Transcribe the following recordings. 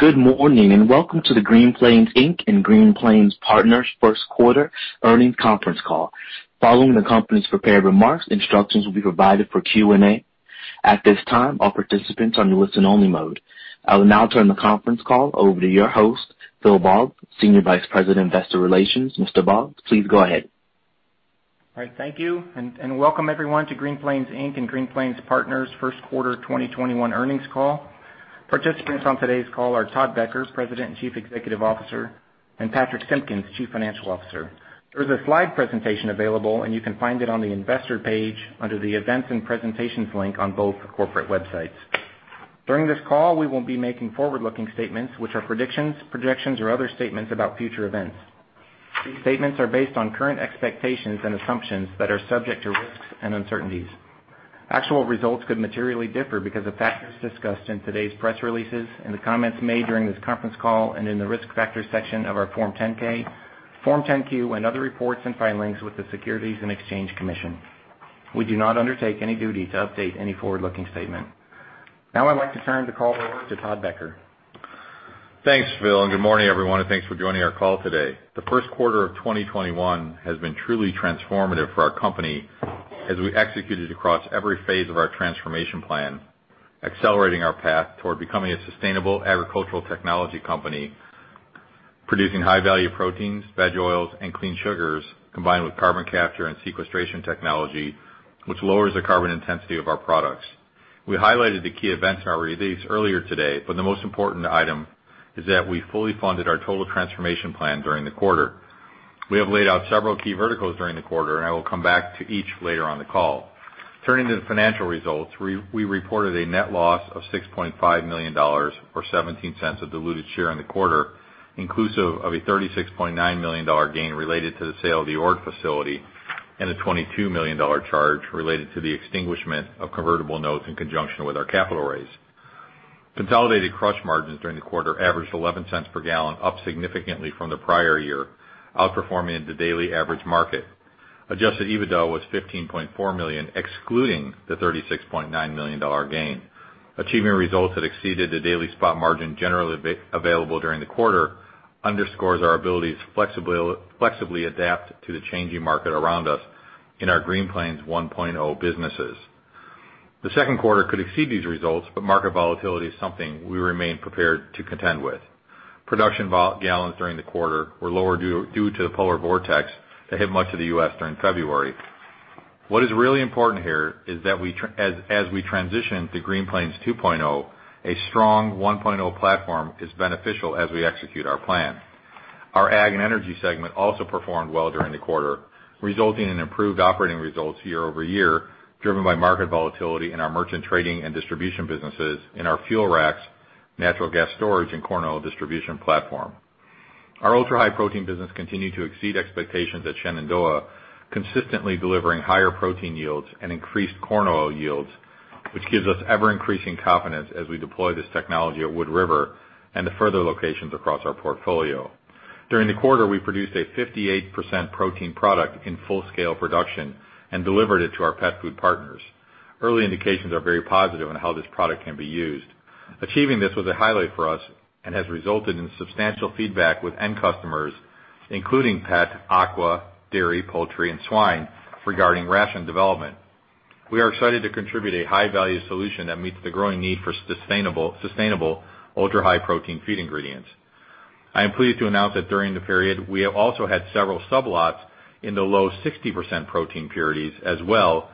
Good morning, and welcome to the Green Plains Inc. and Green Plains Partners first quarter earnings conference call. Following the company's prepared remarks, instructions will be provided for Q&A. At this time, all participants are in listen-only mode. I will now turn the conference call over to your host, Phil Boggs, Senior Vice President, Investor Relations. Mr. Boggs, please go ahead. All right. Thank you. Welcome everyone to Green Plains Inc. and Green Plains Partners first quarter 2021 earnings call. Participants on today's call are Todd Becker, President and Chief Executive Officer, and Patrich Simpkins, Chief Financial Officer. There's a slide presentation available. You can find it on the investor page under the Events and Presentations link on both corporate websites. During this call, we will be making forward-looking statements, which are predictions, projections, or other statements about future events. These statements are based on current expectations and assumptions that are subject to risks and uncertainties. Actual results could materially differ because of factors discussed in today's press releases, in the comments made during this conference call, and in the Risk Factors section of our Form 10-K, Form 10-Q, and other reports and filings with the Securities and Exchange Commission. We do not undertake any duty to update any forward-looking statement. I'd like to turn the call over to Todd Becker. Thanks, Phil, and good morning, everyone, and thanks for joining our call today. The first quarter of 2021 has been truly transformative for our company as we executed across every phase of our transformation plan, accelerating our path toward becoming a sustainable agricultural technology company, producing high-value proteins, veg oils, and clean sugars, combined with carbon capture and sequestration technology, which lowers the carbon intensity of our products. We highlighted the key events in our release earlier today, but the most important item is that we fully funded our total transformation plan during the quarter. We have laid out several key verticals during the quarter, and I will come back to each later on the call. Turning to the financial results, we reported a net loss of $6.5 million, or $0.17 a diluted share in the quarter, inclusive of a $36.9 million gain related to the sale of the Ord facility and a $22 million charge related to the extinguishment of convertible notes in conjunction with our capital raise. Consolidated crush margins during the quarter averaged $0.11 per gallon, up significantly from the prior year, outperforming the daily average market. Adjusted EBITDA was $15.4 million, excluding the $36.9 million gain. Achieving results that exceeded the daily spot margin generally available during the quarter underscores our ability to flexibly adapt to the changing market around us in our Green Plains 1.0 businesses. The second quarter could exceed these results, but market volatility is something we remain prepared to contend with. Production gallons during the quarter were lower due to the polar vortex that hit much of the U.S. during February. What is really important here is that as we transition to Green Plains 2.0, a strong 1.0 platform is beneficial as we execute our plan. Our ag and energy segment also performed well during the quarter, resulting in improved operating results year-over-year, driven by market volatility in our merchant trading and distribution businesses in our fuel racks, natural gas storage, and corn oil distribution platform. Our Ultra-High Protein business continued to exceed expectations at Shenandoah, consistently delivering higher protein yields and increased corn oil yields, which gives us ever-increasing confidence as we deploy this technology at Wood River and to further locations across our portfolio. During the quarter, we produced a 58% protein product in full-scale production and delivered it to our pet food partners. Early indications are very positive on how this product can be used. Achieving this was a highlight for us and has resulted in substantial feedback with end customers, including pet, aqua, dairy, poultry, and swine, regarding ration development. We are excited to contribute a high-value solution that meets the growing need for sustainable Ultra-High Protein feed ingredients. I am pleased to announce that during the period, we have also had several sublots in the low 60% protein purities as well,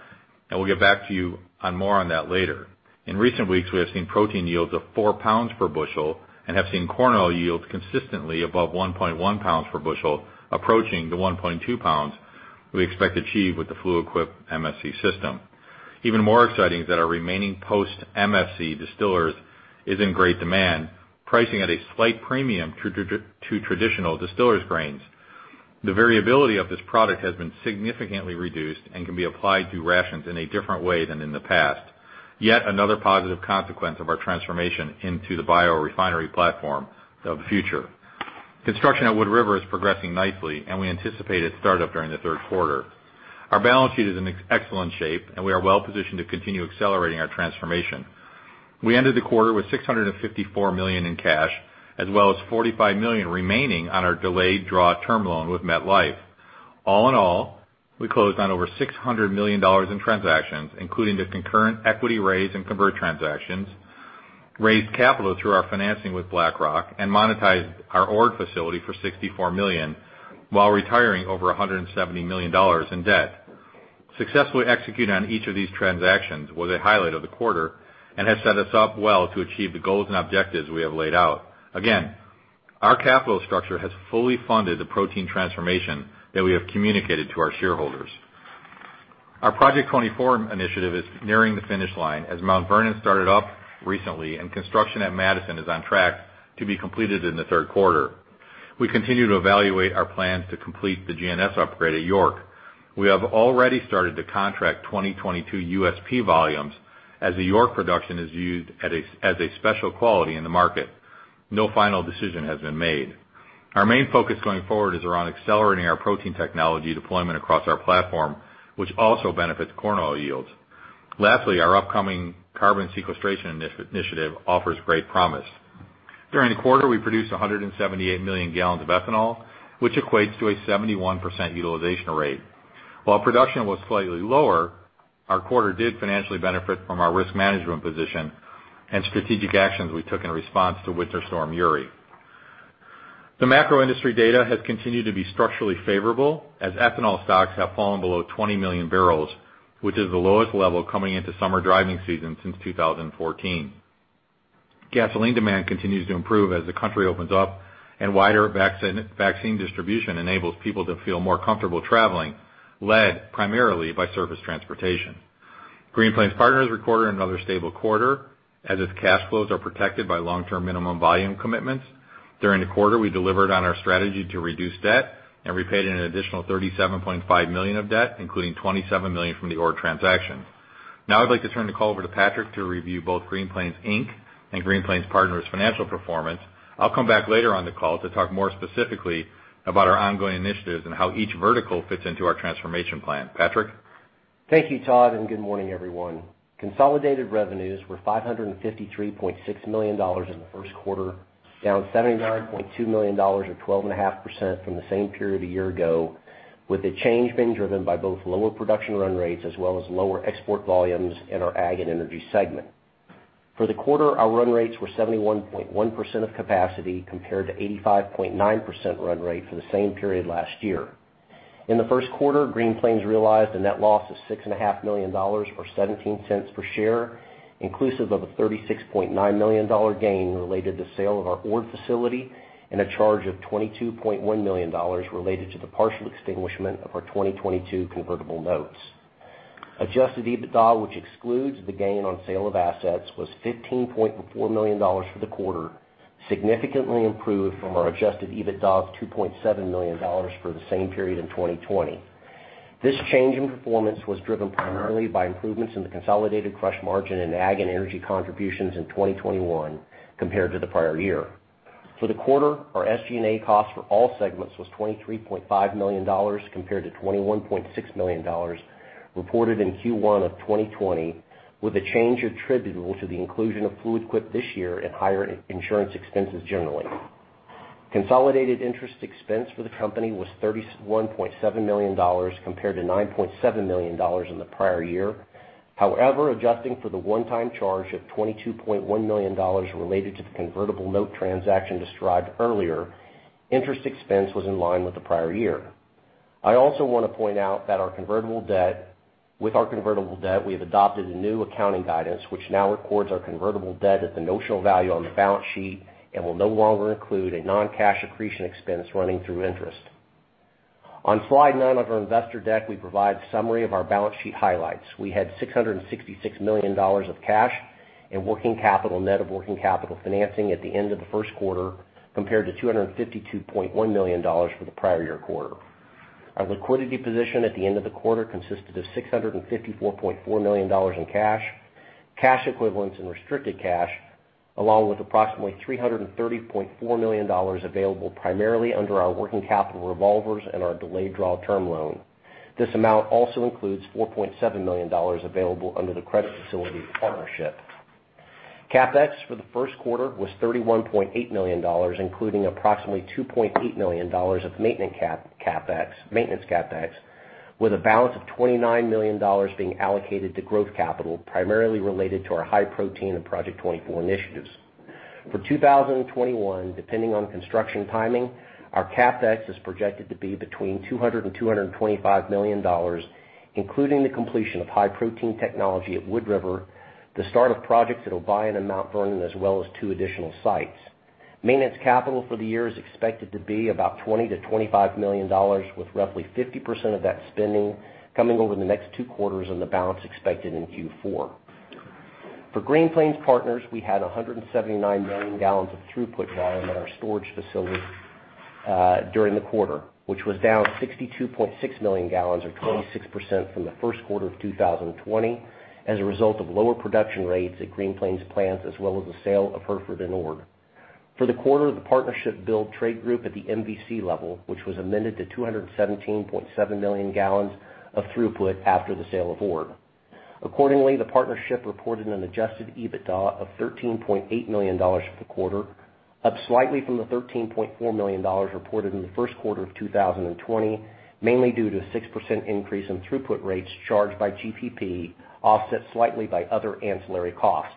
and we'll get back to you on more on that later. In recent weeks, we have seen protein yields of four pounds per bushel and have seen corn oil yields consistently above 1.1 pounds per bushel, approaching the 1.2 pounds we expect to achieve with the Fluid Quip MSC system. Even more exciting is that our remaining post-MSC distillers is in great demand, pricing at a slight premium to traditional distillers' grains. The variability of this product has been significantly reduced and can be applied to rations in a different way than in the past, yet another positive consequence of our transformation into the biorefinery platform of the future. Construction at Wood River is progressing nicely, and we anticipate its startup during the third quarter. Our balance sheet is in excellent shape, and we are well-positioned to continue accelerating our transformation. We ended the quarter with $654 million in cash, as well as $45 million remaining on our delayed draw term loan with MetLife. We closed on over $600 million in transactions, including the concurrent equity raise and convert transactions, raised capital through our financing with BlackRock, and monetized our Ord facility for $64 million while retiring over $170 million in debt. Successfully executing on each of these transactions was a highlight of the quarter and has set us up well to achieve the goals and objectives we have laid out. Our capital structure has fully funded the protein transformation that we have communicated to our shareholders. Our Project 24 initiative is nearing the finish line as Mount Vernon started up recently and construction at Madison is on track to be completed in the third quarter. We continue to evaluate our plans to complete the GNS upgrade at York. We have already started to contract 2022 USP volumes as the York production is used as a special quality in the market. No final decision has been made. Our main focus going forward is around accelerating our protein technology deployment across our platform, which also benefits corn oil yields. Lastly, our upcoming carbon sequestration initiative offers great promise. During the quarter, we produced 178 million gal of ethanol, which equates to a 71% utilization rate. While production was slightly lower, our quarter did financially benefit from our risk management position and strategic actions we took in response to Winter Storm Uri. The macro industry data has continued to be structurally favorable as ethanol stocks have fallen below 20 million bbl, which is the lowest level coming into summer driving season since 2014. Gasoline demand continues to improve as the country opens up and wider vaccine distribution enables people to feel more comfortable traveling, led primarily by service transportation. Green Plains Partners recorded another stable quarter, as its cash flows are protected by long-term minimum volume commitments. During the quarter, we delivered on our strategy to reduce debt and repaid an additional $37.5 million of debt, including $27 million from the Ord transaction. Now I'd like to turn the call over to Patrich to review both Green Plains Inc. and Green Plains Partners' financial performance. I'll come back later on the call to talk more specifically about our ongoing initiatives and how each vertical fits into our transformation plan. Patrich? Thank you, Todd. Good morning, everyone. Consolidated revenues were $553.6 million in the first quarter, down $79.2 million or 12.5% from the same period a year ago, with the change being driven by both lower production run rates as well as lower export volumes in our ag and energy segment. For the quarter, our run rates were 71.1% of capacity compared to 85.9% run rate for the same period last year. In the first quarter, Green Plains realized a net loss of $6.5 million or $0.17 per share, inclusive of a $36.9 million gain related to sale of our Ord facility and a charge of $22.1 million related to the partial extinguishment of our 2022 convertible notes. Adjusted EBITDA, which excludes the gain on sale of assets, was $15.4 million for the quarter, significantly improved from our adjusted EBITDA of $2.7 million for the same period in 2020. This change in performance was driven primarily by improvements in the consolidated crush margin and ag and energy contributions in 2021 compared to the prior year. For the quarter, our SG&A costs for all segments was $23.5 million, compared to $21.6 million reported in Q1 of 2020, with the change attributable to the inclusion of Fluid Quip this year and higher insurance expenses generally. Consolidated interest expense for the company was $31.7 million, compared to $9.7 million in the prior year. However, adjusting for the one-time charge of $22.1 million related to the convertible note transaction described earlier, interest expense was in line with the prior year. I also want to point out that with our convertible debt, we have adopted a new accounting guidance, which now records our convertible debt at the notional value on the balance sheet and will no longer include a non-cash accretion expense running through interest. On slide nine of our investor deck, we provide summary of our balance sheet highlights. We had $666 million of cash and net of working capital financing at the end of the first quarter, compared to $252.1 million for the prior year quarter. Our liquidity position at the end of the quarter consisted of $654.4 million in cash equivalents and restricted cash, along with approximately $330.4 million available primarily under our working capital revolvers and our delayed draw term loan. This amount also includes $4.7 million available under the credit facility partnership. CapEx for the first quarter was $31.8 million, including approximately $2.8 million of maintenance CapEx, with a balance of $29 million being allocated to growth capital, primarily related to our high protein and Project 24 initiatives. For 2021, depending on construction timing, our CapEx is projected to be between $200 million and $225 million, including the completion of high protein technology at Wood River, the start of projects at Oelwein and Mount Vernon, as well as two additional sites. Maintenance capital for the year is expected to be about $20 million to $25 million, with roughly 50% of that spending coming over the next two quarters and the balance expected in Q4. For Green Plains Partners, we had 179 million gal of throughput volume at our storage facility during the quarter, which was down 62.6 million gal or 26% from the first quarter of 2020 as a result of lower production rates at Green Plains plants as well as the sale of Hereford and Ord. For the quarter, the partnership billed Trade Group at the MVC level, which was amended to 217.7 million gal of throughput after the sale of Ord. Accordingly, the partnership reported an adjusted EBITDA of $13.8 million for the quarter, up slightly from the $13.4 million reported in the first quarter of 2020, mainly due to a 6% increase in throughput rates charged by GPP, offset slightly by other ancillary costs.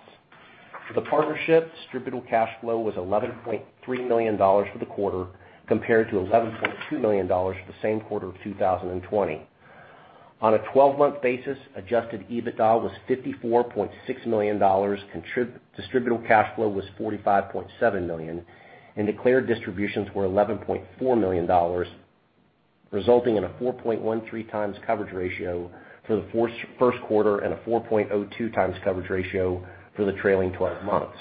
For the partnership, distributable cash flow was $11.3 million for the quarter, compared to $11.2 million for the same quarter of 2020. On a 12-month basis, adjusted EBITDA was $54.6 million, distributable cash flow was $45.7 million, and declared distributions were $11.4 million, resulting in a 4.13x coverage ratio for the first quarter and a 4.02x coverage ratio for the trailing 12 months.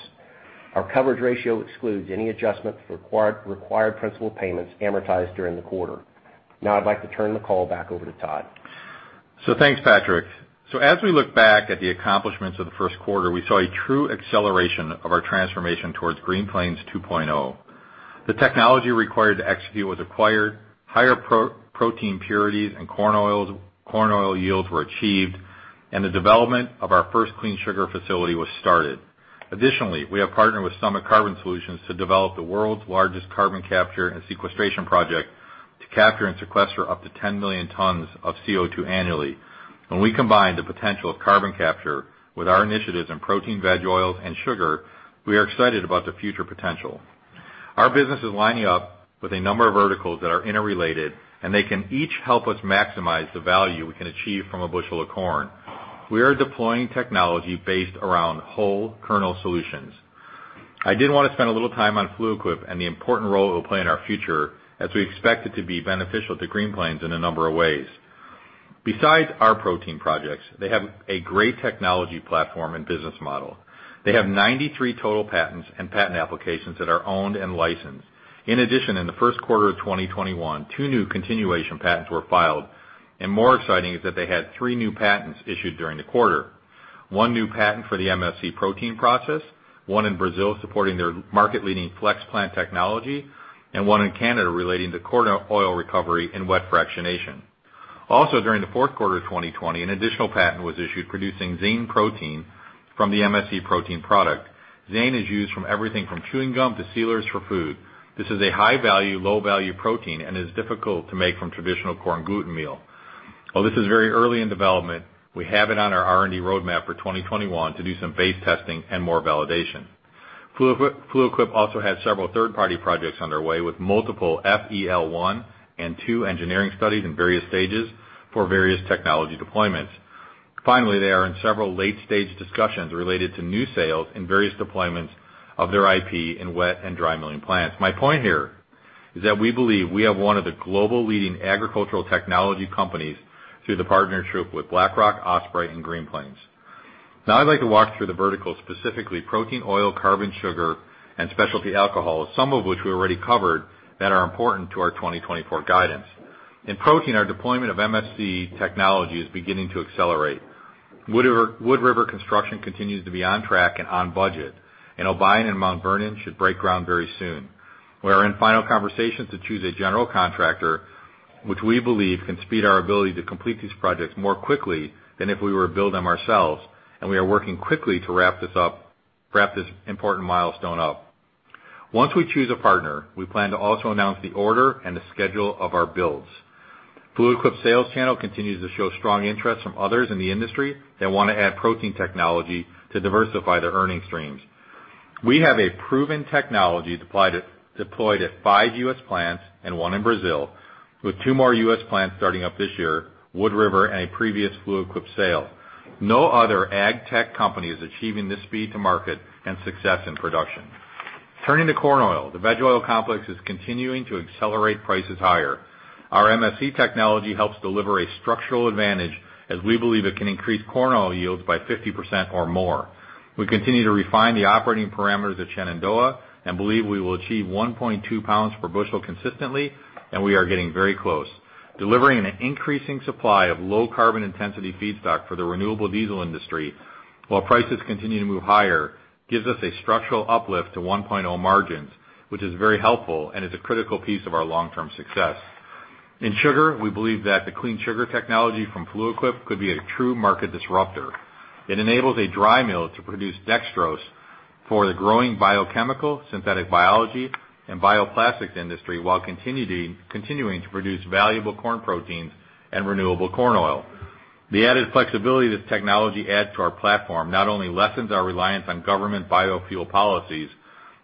Our coverage ratio excludes any adjustment for required principal payments amortized during the quarter. I'd like to turn the call back over to Todd. Thanks, Patrich. As we look back at the accomplishments of the first quarter, we saw a true acceleration of our transformation towards Green Plains 2.0. The technology required to execute was acquired, higher protein impurities and corn oil yields were achieved, and the development of our first Clean Sugar facility was started. Additionally, we have partnered with Summit Carbon Solutions to develop the world's largest carbon capture and sequestration project to capture and sequester up to 10 million tons of CO2 annually. When we combine the potential of carbon capture with our initiatives in protein, veg oils, and sugar, we are excited about the future potential. Our business is lining up with a number of verticals that are interrelated, they can each help us maximize the value we can achieve from a bushel of corn. We are deploying technology based around whole kernel solutions. I did want to spend a little time on Fluid Quip and the important role it will play in our future, as we expect it to be beneficial to Green Plains in a number of ways. Besides our protein projects, they have a great technology platform and business model. They have 93 total patents and patent applications that are owned and licensed. In addition, in the first quarter of 2021, two new continuation patents were filed, and more exciting is that they had three new patents issued during the quarter. One new patent for the MSC protein process, one in Brazil supporting their market-leading flex plant technology, and one in Canada relating to corn oil recovery and wet fractionation. Also during the fourth quarter of 2020, an additional patent was issued producing zein protein from the MSC protein product. Zein is used from everything from chewing gum to sealers for food. This is a high-value, low-value protein and is difficult to make from traditional corn gluten meal. While this is very early in development, we have it on our R&D roadmap for 2021 to do some phase testing and more validation. Fluid Quip also has several third-party projects underway with multiple FEL 1 and 2 engineering studies in various stages for various technology deployments. They are in several late-stage discussions related to new sales and various deployments of their IP in wet and dry milling plants. My point here is that we believe we have one of the global leading agricultural technology companies through the partnership with BlackRock, Ospraie, and Green Plains. I'd like to walk through the verticals, specifically protein, oil, carbon, sugar, and specialty alcohol, some of which we already covered that are important to our 2024 guidance. In protein, our deployment of MSC technology is beginning to accelerate. Wood River construction continues to be on track and on budget, and Obion and Mount Vernon should break ground very soon. We're in final conversations to choose a general contractor, which we believe can speed our ability to complete these projects more quickly than if we were to build them ourselves, and we are working quickly to wrap this important milestone up. Once we choose a partner, we plan to also announce the order and the schedule of our builds. Fluid Quip sales channel continues to show strong interest from others in the industry that want to add protein technology to diversify their earning streams. We have a proven technology deployed at five U.S. plants and one in Brazil, with two more U.S. plants starting up this year, Wood River and a previous Fluid Quip sale. No other ag-tech company is achieving this speed to market and success in production. Turning to corn oil, the veg oil complex is continuing to accelerate prices higher. Our MSC technology helps deliver a structural advantage as we believe it can increase corn oil yields by 50% or more. We continue to refine the operating parameters at Shenandoah and believe we will achieve 1.2 lb/bu consistently, and we are getting very close. Delivering an increasing supply of low carbon intensity feedstock for the renewable diesel industry while prices continue to move higher gives us a structural uplift to 1.0 margins, which is very helpful and is a critical piece of our long-term success. In sugar, we believe that the Clean Sugar Technology from Fluid Quip could be a true market disruptor. It enables a dry mill to produce dextrose for the growing biochemical, synthetic biology, and bioplastics industry while continuing to produce valuable corn proteins and renewable corn oil. The added flexibility this technology adds to our platform not only lessens our reliance on government biofuel policies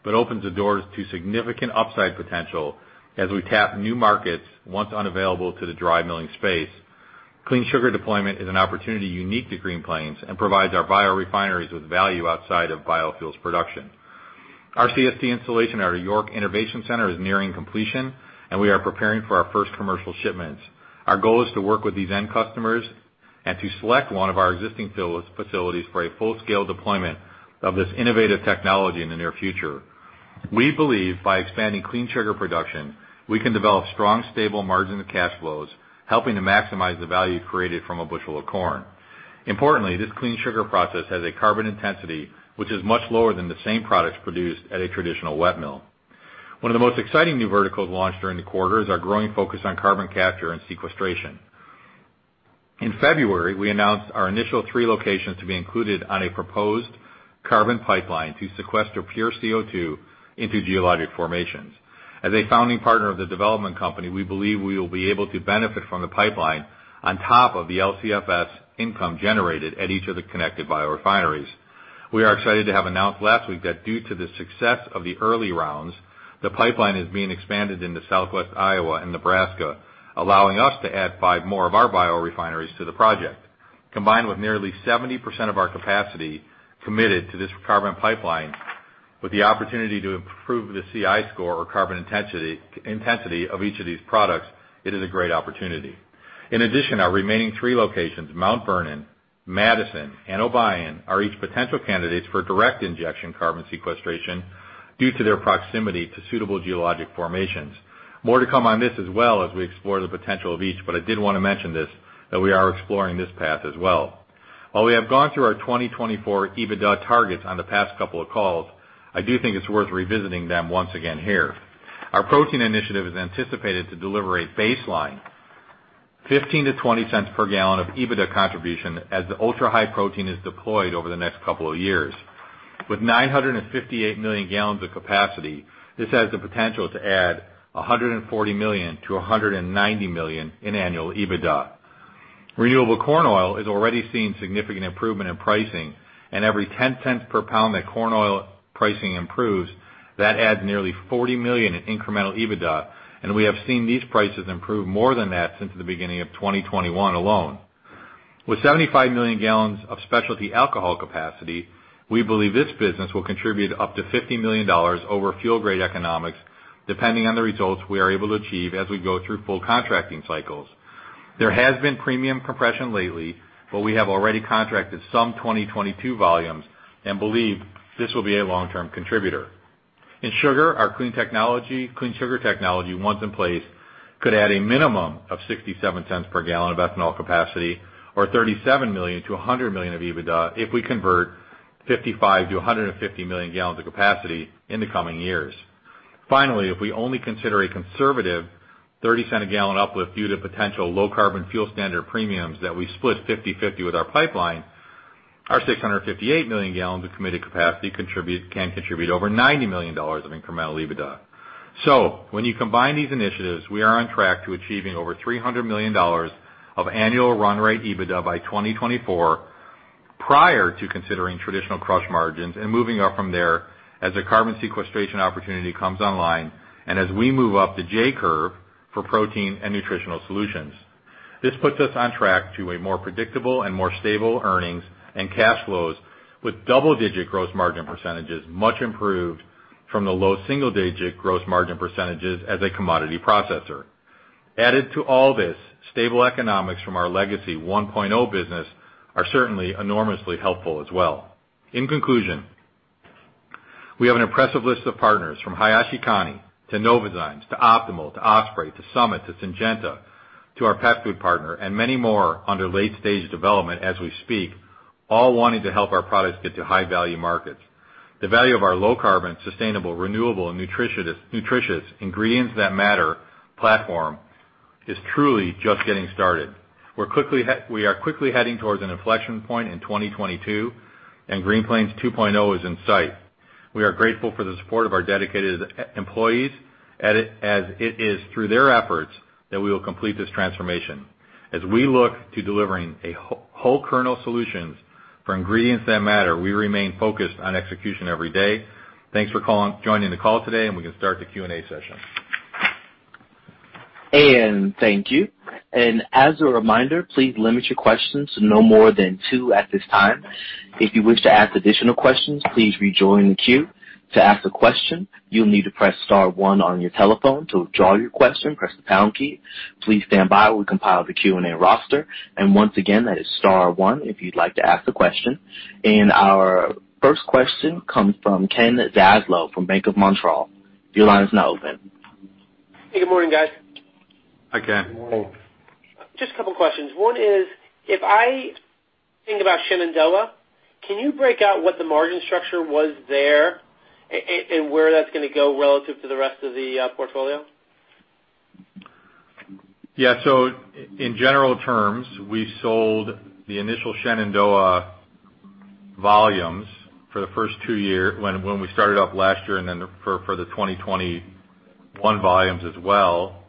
but opens the doors to significant upside potential as we tap new markets once unavailable to the dry milling space. Clean sugar deployment is an opportunity unique to Green Plains and provides our biorefineries with value outside of biofuels production. Our CST installation at our York Innovation Center is nearing completion, and we are preparing for our first commercial shipments. Our goal is to work with these end customers and to select one of our existing facilities for a full-scale deployment of this innovative technology in the near future. We believe by expanding Clean Sugar production, we can develop strong, stable margin of cash flows, helping to maximize the value created from a bushel of corn. Importantly, this Clean Sugar process has a carbon intensity which is much lower than the same products produced at a traditional wet mill. One of the most exciting new verticals launched during the quarter is our growing focus on carbon capture and sequestration. In February, we announced our initial three locations to be included on a proposed carbon pipeline to sequester pure CO2 into geologic formations. As a founding partner of the development company, we believe we will be able to benefit from the pipeline on top of the LCFS income generated at each of the connected biorefineries. We are excited to have announced last week that due to the success of the early rounds, the pipeline is being expanded into southwest Iowa and Nebraska, allowing us to add five more of our biorefineries to the project. Combined with nearly 70% of our capacity committed to this carbon pipeline with the opportunity to improve the CI score or carbon intensity of each of these products, it is a great opportunity. In addition, our remaining three locations, Mount Vernon, Madison, and Obion, are each potential candidates for direct injection carbon sequestration due to their proximity to suitable geologic formations. More to come on this as well as we explore the potential of each, but I did want to mention this, that we are exploring this path as well. While we have gone through our 2024 EBITDA targets on the past couple of calls, I do think it's worth revisiting them once again here. Our protein initiative is anticipated to deliver a baseline $0.15-$0.20 per gal of EBITDA contribution as the Ultra-High Protein is deployed over the next couple of years. With 958 million gallons of capacity, this has the potential to add $140 million-$190 million in annual EBITDA. renewable corn oil is already seeing significant improvement in pricing, and every $0.10 per lb that corn oil pricing improves, that adds nearly $40 million in incremental EBITDA, and we have seen these prices improve more than that since the beginning of 2021 alone. With 75 million gal of specialty alcohol capacity, we believe this business will contribute up to $50 million over fuel-grade economics, depending on the results we are able to achieve as we go through full contracting cycles. There has been premium compression lately, but we have already contracted some 2022 volumes and believe this will be a long-term contributor. In sugar, our Clean Sugar Technology, once in place, could add a minimum of $0.67 per gal of ethanol capacity or $37 million-$100 million of EBITDA if we convert 55 million gal-150 million gal of capacity in the coming years. Finally, if we only consider a conservative $0.30 a gal uplift due to potential Low Carbon Fuel Standard premiums that we split 50/50 with our pipeline, our 658 million gal of committed capacity can contribute over $90 million of incremental EBITDA. When you combine these initiatives, we are on track to achieving over $300 million of annual run rate EBITDA by 2024, prior to considering traditional crush margins and moving up from there as a carbon sequestration opportunity comes online and as we move up the J curve for protein and nutritional solutions. This puts us on track to a more predictable and more stable earnings and cash flows with double-digit gross margin percentages, much improved from the low single-digit gross margin percentages as a commodity processor. Added to all this, stable economics from our legacy 1.0 business are certainly enormously helpful as well. In conclusion, we have an impressive list of partners from Hayashikane Sangyo, to Novozymes, to Optimal, to Ospraie, to Summit, to Syngenta, to our pet food partner, and many more under late-stage development as we speak, all wanting to help our products get to high-value markets. The value of our low carbon, sustainable, renewable, and nutritious ingredients that matter platform is truly just getting started. We are quickly heading towards an inflection point in 2022, and Green Plains 2.0 is in sight. We are grateful for the support of our dedicated employees, as it is through their efforts that we will complete this transformation. As we look to delivering a whole kernel solutions for ingredients that matter, we remain focused on execution every day. Thanks for joining the call today, and we can start the Q&A session. Thank you. As a reminder, please limit your questions to no more than two at this time. If you wish to ask additional questions, please rejoin the queue. To ask a question you need to press star one on your telephone. To withdraw your question press the pound key. Please stand by while we compile the Q&A roster. Once again is star one if you would like to ask a question. Our first question comes from Kenneth Zaslow from Bank of Montreal. Your line is now open. Good morning, guys. Hi, Kenneth. Good morning. Just a couple of questions. One is, if I think about Shenandoah, can you break out what the margin structure was there and where that's going to go relative to the rest of the portfolio? Yeah. In general terms, we sold the initial Shenandoah volumes for the first two year, when we started up last year, then for the 2021 volumes as well,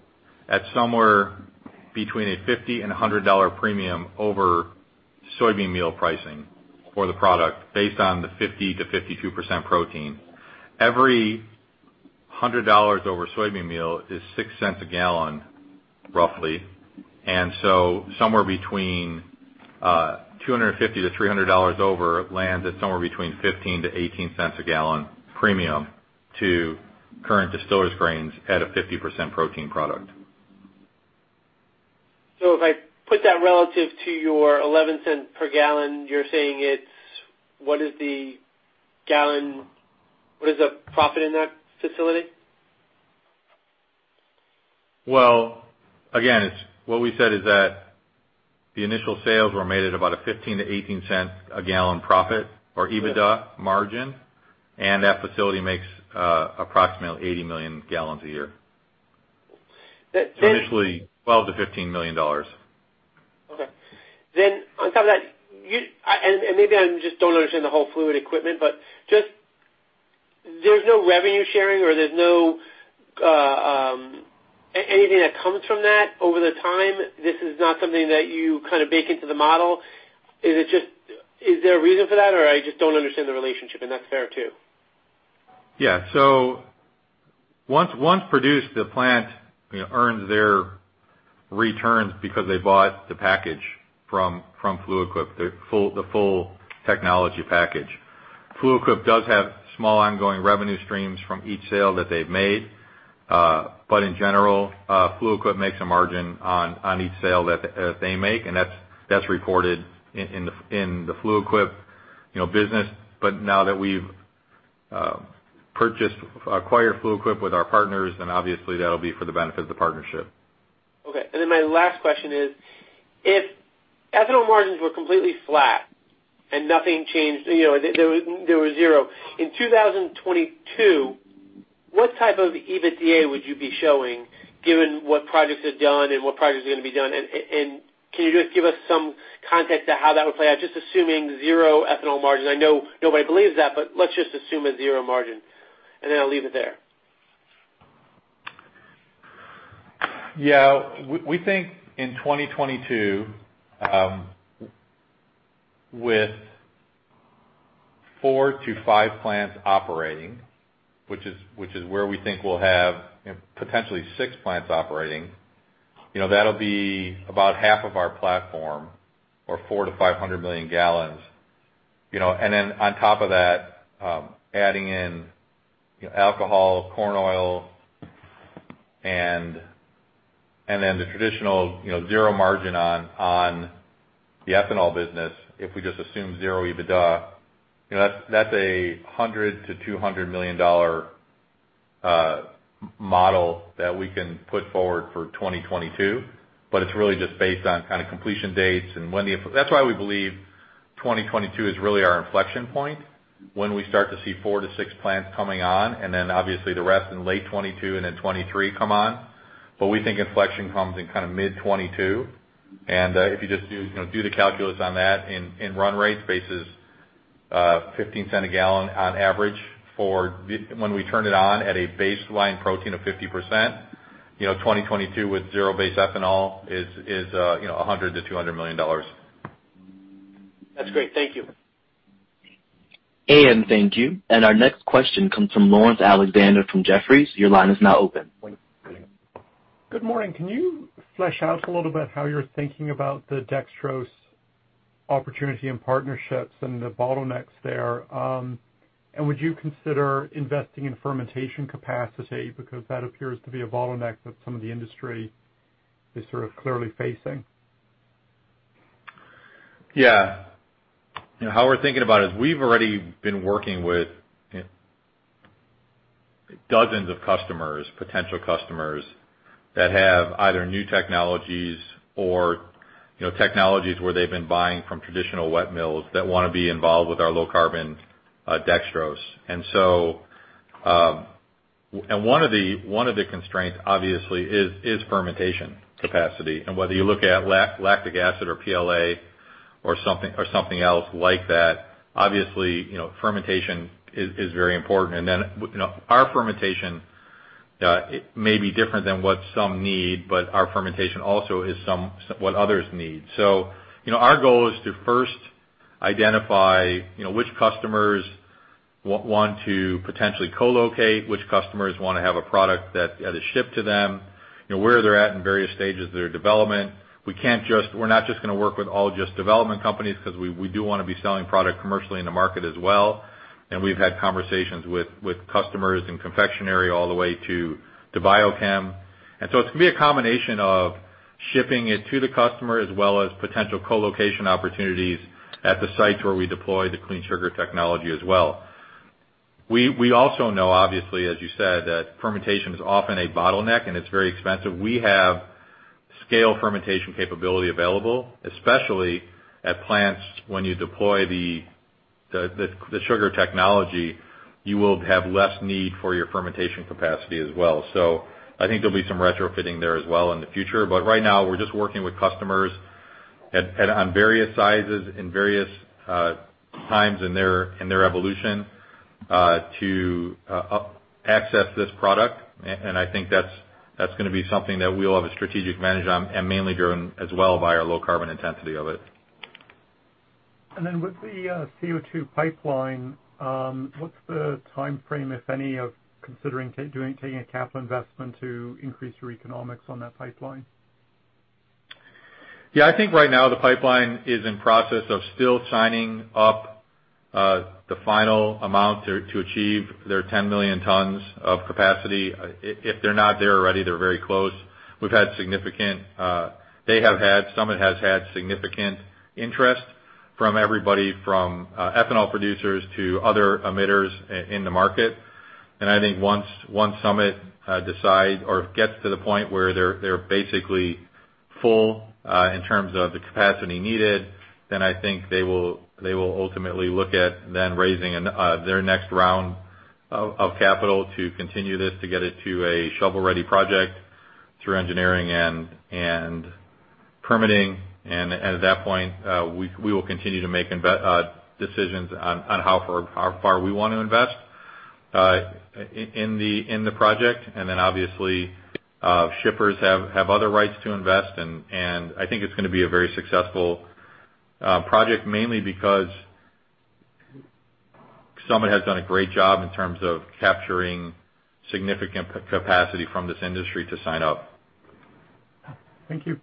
at somewhere between a $50 and $100 premium over soybean meal pricing for the product based on the 50%-52% protein. Every $100 over soybean meal is $0.06 a gal, roughly. Somewhere between $250-$300 over lands at somewhere between $0.15-$0.18 a gal premium to current distillers grains at a 50% protein product. if I put that relative to your $0.11 per gal, you're saying it's What is the profit in that facility? Well, again, what we said is that the initial sales were made at about a $0.15-$0.18 a gal profit or EBITDA margin, and that facility makes approximately 80 million gal a year. Then- Initially $12 million-$15 million. Okay. On top of that, and maybe I just don't understand the whole Fluid Quip, but there's no revenue sharing or there's anything that comes from that over the time? This is not something that you kind of bake into the model. Is there a reason for that, or I just don't understand the relationship, and that's fair, too. Once produced, the plant earns their returns because they bought the package from Fluid Quip, the full technology package. Fluid Quip does have small ongoing revenue streams from each sale that they've made. In general, Fluid Quip makes a margin on each sale that they make, and that's reported in the Fluid Quip business. Now that we've acquired Fluid Quip with our partners, obviously that'll be for the benefit of the partnership. Okay. My last question is, if ethanol margins were completely flat and nothing changed, they were zero. In 2022, what type of EBITDA would you be showing given what projects are done and what projects are going to be done? Can you just give us some context to how that would play out, just assuming zero ethanol margins? I know nobody believes that, but let's just assume a zero margin, and then I'll leave it there. Yeah. We think in 2022, with four to five plants operating, which is where we think we'll have potentially six plants operating, that'll be about half of our platform or 400 million-500 million gal. Then on top of that, adding in alcohol, corn oil, and then the traditional zero margin on the ethanol business, if we just assume zero EBITDA, that's a $100 million-$200 million model that we can put forward for 2022. It's really just based on completion dates. That's why we believe 2022 is really our inflection point when we start to see four to six plants coming on, and then obviously the rest in late 2022 and then 2023 come on. We think inflection comes in mid 2022. If you just do the calculus on that in run-rate basis, $0.15 a gal on average for when we turn it on at a baseline protein of 50%, 2022 with zero base ethanol is $100 million-$200 million. That's great. Thank you. Thank you. Our next question comes from Laurence Alexander from Jefferies. Your line is now open. Good morning. Can you flesh out a little bit how you're thinking about the dextrose opportunity and partnerships and the bottlenecks there? Would you consider investing in fermentation capacity because that appears to be a bottleneck that some of the industry is sort of clearly facing? How we're thinking about it is we've already been working with dozens of potential customers that have either new technologies or technologies where they've been buying from traditional wet mills that want to be involved with our low carbon dextrose. One of the constraints obviously is fermentation capacity. Whether you look at lactic acid or PLA or something else like that, obviously, fermentation is very important. Then our fermentation may be different than what some need, but our fermentation also is what others need. Our goal is to first identify which customers want to potentially co-locate, which customers want to have a product that is shipped to them, where they're at in various stages of their development. We're not just going to work with all just development companies because we do want to be selling product commercially in the market as well. We've had conversations with customers in confectionery all the way to biochem. It's going to be a combination of shipping it to the customer as well as potential co-location opportunities at the sites where we deploy the Clean Sugar Technology as well. We also know, obviously, as you said, that fermentation is often a bottleneck, and it's very expensive. We have scale fermentation capability available, especially at plants. When you deploy the sugar technology, you will have less need for your fermentation capacity as well. I think there'll be some retrofitting there as well in the future. Right now, we're just working with customers on various sizes and various times in their evolution to access this product. I think that's going to be something that we'll have a strategic advantage on and mainly driven as well by our low carbon intensity of it. With the CO2 pipeline, what's the timeframe, if any, of considering taking a capital investment to increase your economics on that pipeline? I think right now the pipeline is in process of still signing up the final amount to achieve their 10 million tons of capacity. If they're not there already, they're very close. Summit has had significant interest from everybody, from ethanol producers to other emitters in the market. I think once Summit decides or gets to the point where they're basically full in terms of the capacity needed, then I think they will ultimately look at then raising their next round of capital to continue this to get it to a shovel-ready project through engineering and permitting. At that point, we will continue to make decisions on how far we want to invest in the project. Then obviously, shippers have other rights to invest. I think it's going to be a very successful project, mainly because Summit has done a great job in terms of capturing significant capacity from this industry to sign up. Thank you.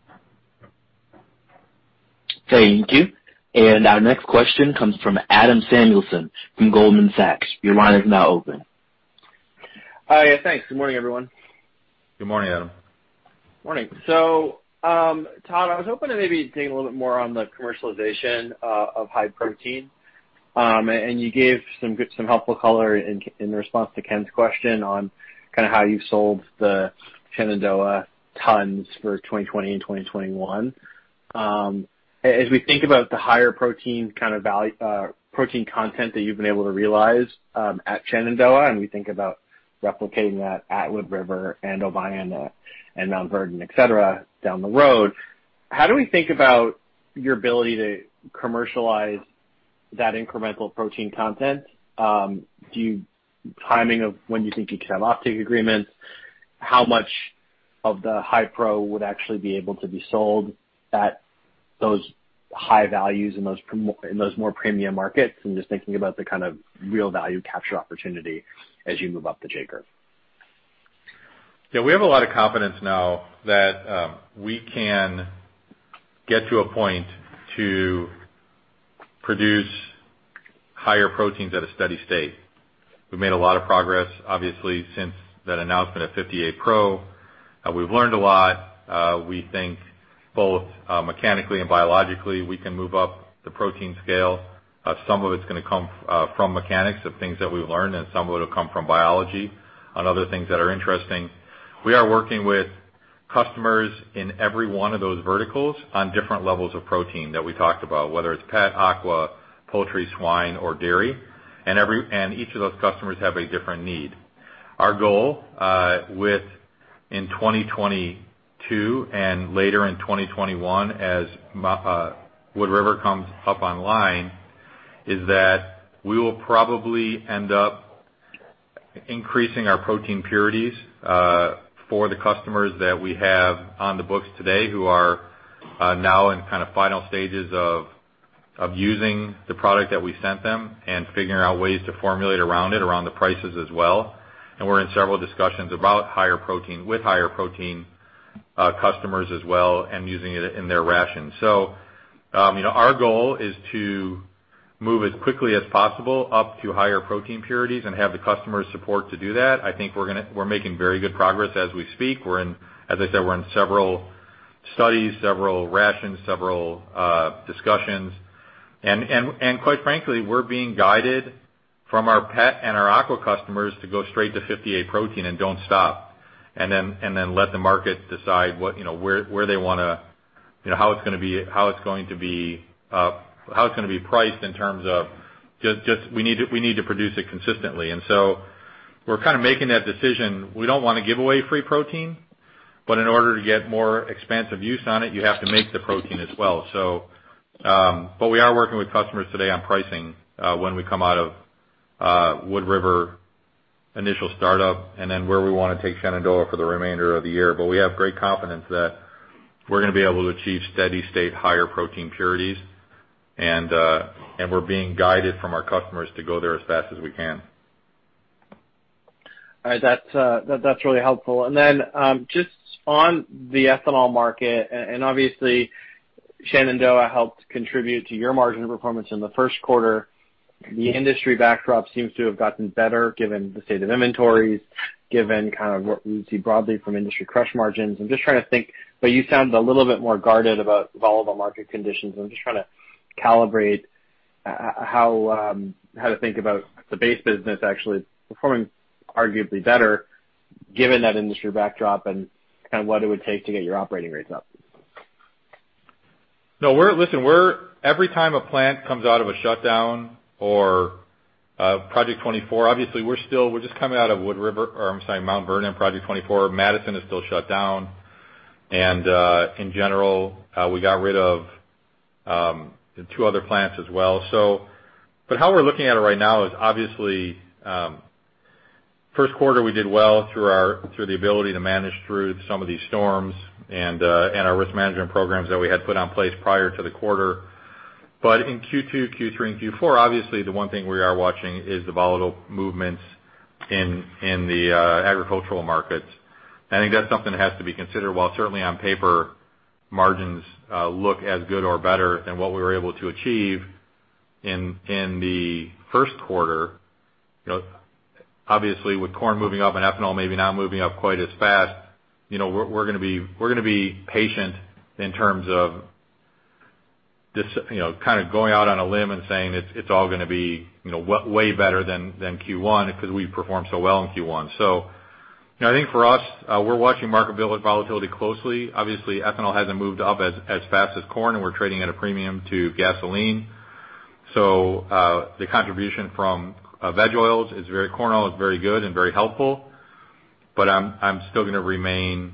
Thank you. Our next question comes from Adam Samuelson from Goldman Sachs. Yeah. Thanks. Good morning, everyone. Good morning, Adam. Morning. Todd, I was hoping to maybe dig a little bit more on the commercialization of high protein. You gave some helpful color in response to Ken's question on how you've sold the Shenandoah tons for 2020 and 2021. As we think about the higher protein content that you've been able to realize at Shenandoah, and we think about replicating that at Wood River and Obion and Mount Vernon, et cetera, down the road, how do we think about your ability to commercialize that incremental protein content? Timing of when you think you can have offtake agreements, how much of the HyPro would actually be able to be sold at those high values in those more premium markets? I'm just thinking about the real value capture opportunity as you move up the J curve. Yeah. We have a lot of confidence now that we can get to a point to produce higher proteins at a steady state. We've made a lot of progress, obviously, since that announcement of 58 Pro. We've learned a lot. We think both mechanically and biologically, we can move up the protein scale. Some of it's going to come from mechanics of things that we've learned, and some of it'll come from biology on other things that are interesting. We are working with customers in every one of those verticals on different levels of protein that we talked about, whether it's pet, aqua, poultry, swine, or dairy. Each of those customers have a different need. Our goal in 2022 and later in 2021 as Wood River comes up online, is that we will probably end up increasing our protein purities, for the customers that we have on the books today, who are now in final stages of using the product that we sent them and figuring out ways to formulate around it, around the prices as well. We're in several discussions about higher protein with higher protein customers as well, and using it in their ration. Our goal is to move as quickly as possible up to higher protein purities and have the customer support to do that. I think we're making very good progress as we speak. As I said, we're in several studies, several rations, several discussions. Quite frankly, we're being guided from our pet and our aqua customers to go straight to 58 protein and don't stop. Let the market decide how it's going to be priced in terms of just we need to produce it consistently. We're making that decision. We don't want to give away free protein, but in order to get more expansive use on it, you have to make the protein as well. We are working with customers today on pricing, when we come out of Wood River initial startup, and then where we want to take Shenandoah for the remainder of the year. We have great confidence that we're going to be able to achieve steady state higher protein purities. We're being guided from our customers to go there as fast as we can. All right. That's really helpful. Just on the ethanol market, obviously Shenandoah helped contribute to your margin performance in the first quarter. The industry backdrop seems to have gotten better given the state of inventories, given what we would see broadly from industry crush margins. I'm just trying to think, you sound a little bit more guarded about volatile market conditions, I'm just trying to calibrate how to think about the base business actually performing arguably better given that industry backdrop and what it would take to get your operating rates up. No, listen. Every time a plant comes out of a shutdown or Project 24, obviously we're just coming out of Wood River, or I'm sorry, Mount Vernon, Project 24. Madison is still shut down. In general, we got rid of the two other plants as well. How we're looking at it right now is obviously, first quarter, we did well through the ability to manage through some of these storms and our risk management programs that we had put in place prior to the quarter. In Q2, Q3, and Q4, obviously the one thing we are watching is the volatile movements in the agricultural markets. I think that's something that has to be considered. While certainly on paper margins look as good or better than what we were able to achieve in the first quarter, obviously with corn moving up and ethanol maybe not moving up quite as fast, we're going to be patient in terms of just going out on a limb and saying it's all going to be way better than Q1 because we performed so well in Q1. I think for us, we're watching market volatility closely. Obviously, ethanol hasn't moved up as fast as corn, and we're trading at a premium to gasoline. The contribution from veg oils, corn oil is very good and very helpful. I'm still going to remain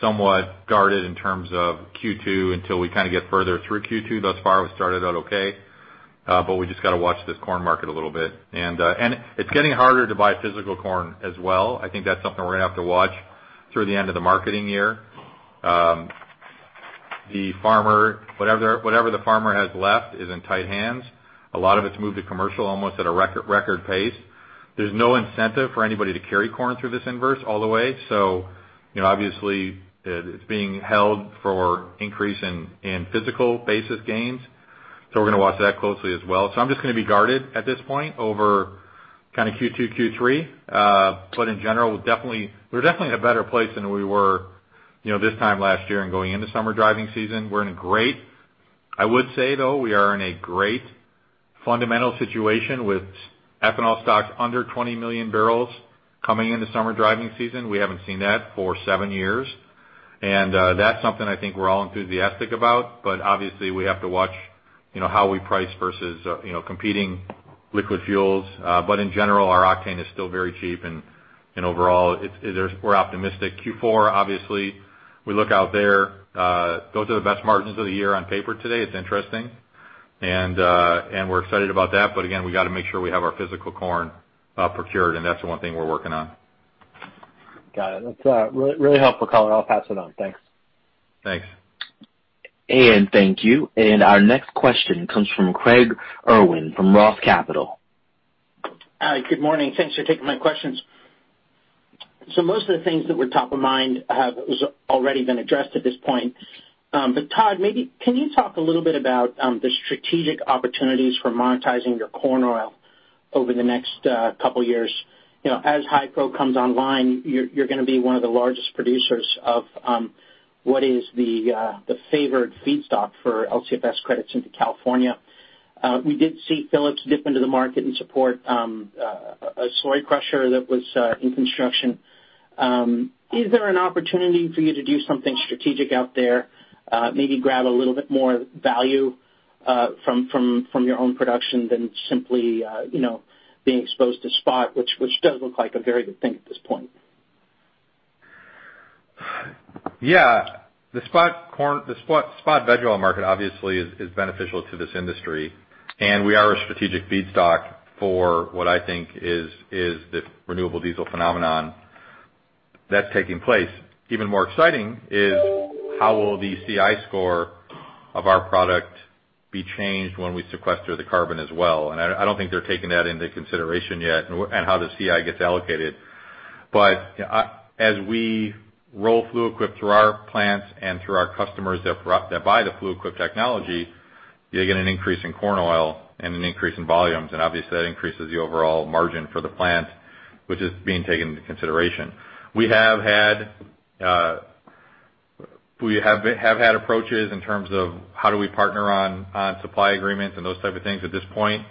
somewhat guarded in terms of Q2 until we get further through Q2. Thus far, we started out okay, but we just got to watch this corn market a little bit. It's getting harder to buy physical corn as well. I think that's something we're going to have to watch through the end of the marketing year. Whatever the farmer has left is in tight hands. A lot of it's moved to commercial almost at a record pace. There's no incentive for anybody to carry corn through this inverse all the way. Obviously, it's being held for increase in physical basis gains. We're going to watch that closely as well. I'm just going to be guarded at this point over Q2, Q3. In general, we're definitely in a better place than we were this time last year and going into summer driving season. I would say, though, we are in a great fundamental situation with ethanol stocks under 20 million bbl coming into summer driving season. We haven't seen that for seven years, and that's something I think we're all enthusiastic about. Obviously, we have to watch how we price versus competing liquid fuels. In general, our octane is still very cheap, and overall, we're optimistic. Q4, obviously, we look out there. Those are the best margins of the year on paper today. It's interesting, and we're excited about that. Again, we got to make sure we have our physical corn procured, and that's the one thing we're working on. Got it. That's really helpful, Color. I'll pass it on. Thanks. Thanks. Thank you. Our next question comes from Craig Irwin from Roth Capital. Hi. Good morning. Thanks for taking my questions. Most of the things that were top of mind have already been addressed at this point. Todd, can you talk a little bit about the strategic opportunities for monetizing your corn oil over the next couple of years? As HyPro comes online, you're going to be one of the largest producers of what is the favored feedstock for LCFS credits into California. We did see Phillips dip into the market and support a soy crusher that was in construction. Is there an opportunity for you to do something strategic out there? Maybe grab a little bit more value from your own production than simply being exposed to spot, which does look like a very good thing at this point. Yeah. The spot veg oil market obviously is beneficial to this industry, and we are a strategic feedstock for what I think is this renewable diesel phenomenon that's taking place. Even more exciting is how will the CI score of our product be changed when we sequester the carbon as well. I don't think they're taking that into consideration yet and how the CI gets allocated. As we roll Fluid Quip through our plants and through our customers that buy the Fluid Quip technology, you get an increase in corn oil and an increase in volumes, and obviously, that increases the overall margin for the plant, which is being taken into consideration. We have had approaches in terms of how do we partner on supply agreements and those type of things. At this point,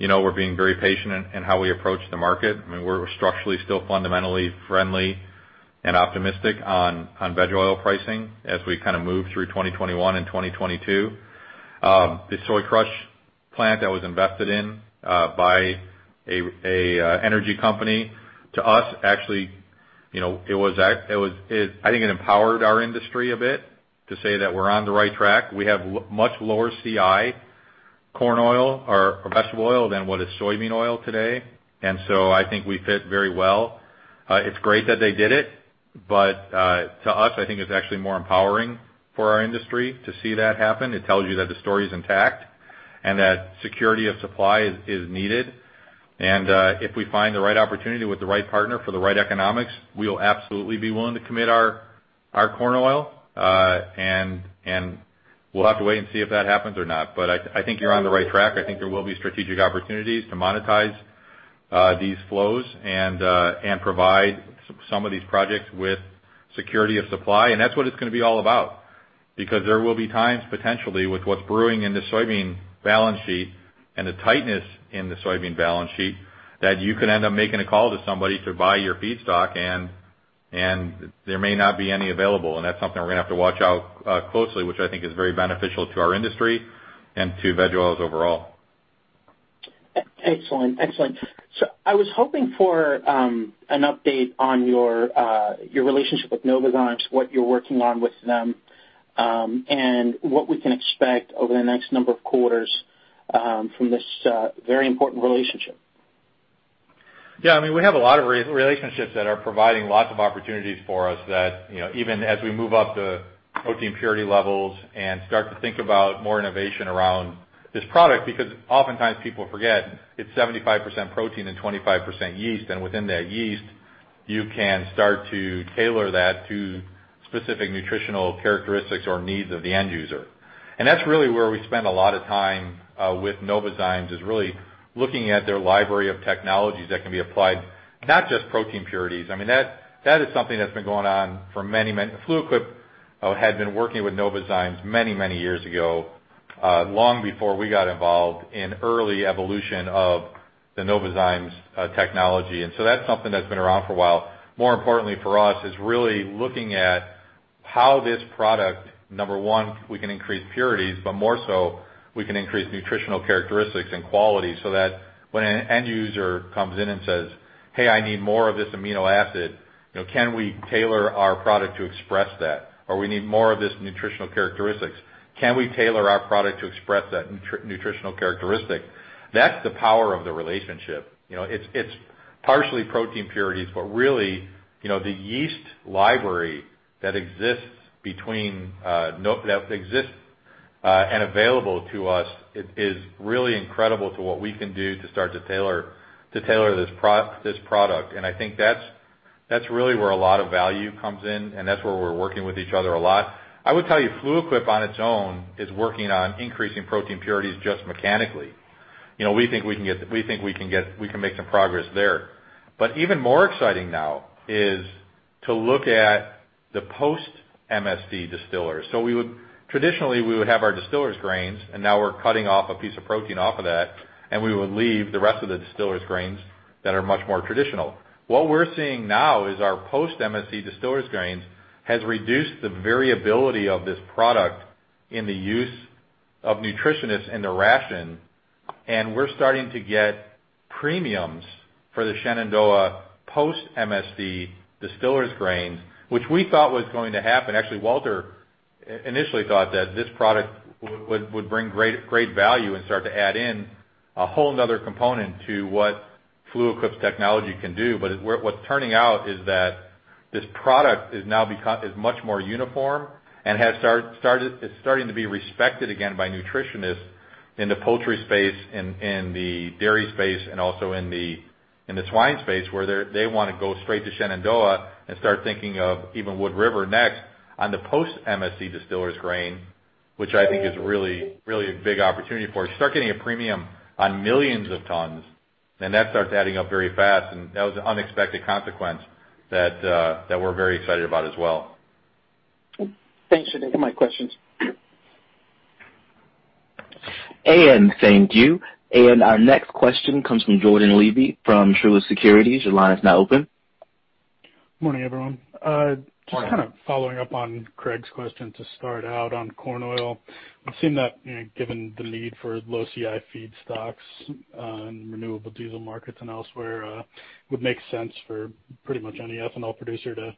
we're being very patient in how we approach the market. We're structurally still fundamentally friendly and optimistic on veg oil pricing as we move through 2021 and 2022. The soy crush plant that was invested in by an energy company, to us, actually, I think it empowered our industry a bit to say that we're on the right track. We have much lower CI corn oil or vegetable oil than what is soybean oil today, and so I think we fit very well. It's great that they did it, but to us, I think it's actually more empowering for our industry to see that happen. It tells you that the story's intact and that security of supply is needed. If we find the right opportunity with the right partner for the right economics, we will absolutely be willing to commit our corn oil. We'll have to wait and see if that happens or not. I think you're on the right track. I think there will be strategic opportunities to monetize these flows and provide some of these projects with security of supply. That's what it's going to be all about. There will be times, potentially, with what's brewing in the soybean balance sheet and the tightness in the soybean balance sheet, that you could end up making a call to somebody to buy your feedstock, and there may not be any available. That's something we're going to have to watch out closely, which I think is very beneficial to our industry and to veg oils overall. Excellent. I was hoping for an update on your relationship with Novozymes, what you're working on with them, and what we can expect over the next number of quarters from this very important relationship. Yeah. We have a lot of relationships that are providing lots of opportunities for us that even as we move up the protein purity levels and start to think about more innovation around this product, because oftentimes people forget it's 75% protein and 25% yeast. Within that yeast, you can start to tailor that to specific nutritional characteristics or needs of the end user. That's really where we spend a lot of time with Novozymes, is really looking at their library of technologies that can be applied, not just protein purities. That is something that's been going on for many years. Fluid Quip had been working with Novozymes many, many years ago, long before we got involved in early evolution of the Novozymes technology. That's something that's been around for a while. More importantly for us is really looking at how this product, number one, we can increase purities, but more so we can increase nutritional characteristics and quality so that when an end user comes in and says, "Hey, I need more of this amino acid," can we tailor our product to express that? We need more of this nutritional characteristics. Can we tailor our product to express that nutritional characteristic? That's the power of the relationship. It's partially protein purities, but really the yeast library that exists and available to us is really incredible to what we can do to start to tailor this product. I think That's really where a lot of value comes in, and that's where we're working with each other a lot. I would tell you, Fluid Quip on its own is working on increasing protein purities just mechanically. We think we can make some progress there. Even more exciting now is to look at the post MSC distillers. Traditionally, we would have our distillers grains, and now we're cutting off a piece of protein off of that, and we would leave the rest of the distillers grains that are much more traditional. What we're seeing now is our post MSC distillers grains has reduced the variability of this product in the use of nutritionists in the ration, and we're starting to get premiums for the Shenandoah post MSC distillers grains, which we thought was going to happen. Actually, Walter initially thought that this product would bring great value and start to add in a whole another component to what Fluid Quip's technology can do. What's turning out is that this product is much more uniform and it's starting to be respected again by nutritionists in the poultry space and in the dairy space and also in the swine space, where they want to go straight to Shenandoah and start thinking of even Wood River next on the post MSC distillers grain, which I think is really a big opportunity for us. You start getting a premium on millions of tons, that starts adding up very fast. That was an unexpected consequence that we're very excited about as well. Thanks, Nick. That is my questions. Thank you. Our next question comes from Jordan Levy from Truist Securities. Your line is now open. Morning, everyone. Morning. Just kind of following up on Craig's question to start out on corn oil. We've seen that, given the need for low CI feedstocks and renewable diesel markets and elsewhere would make sense for pretty much any ethanol producer to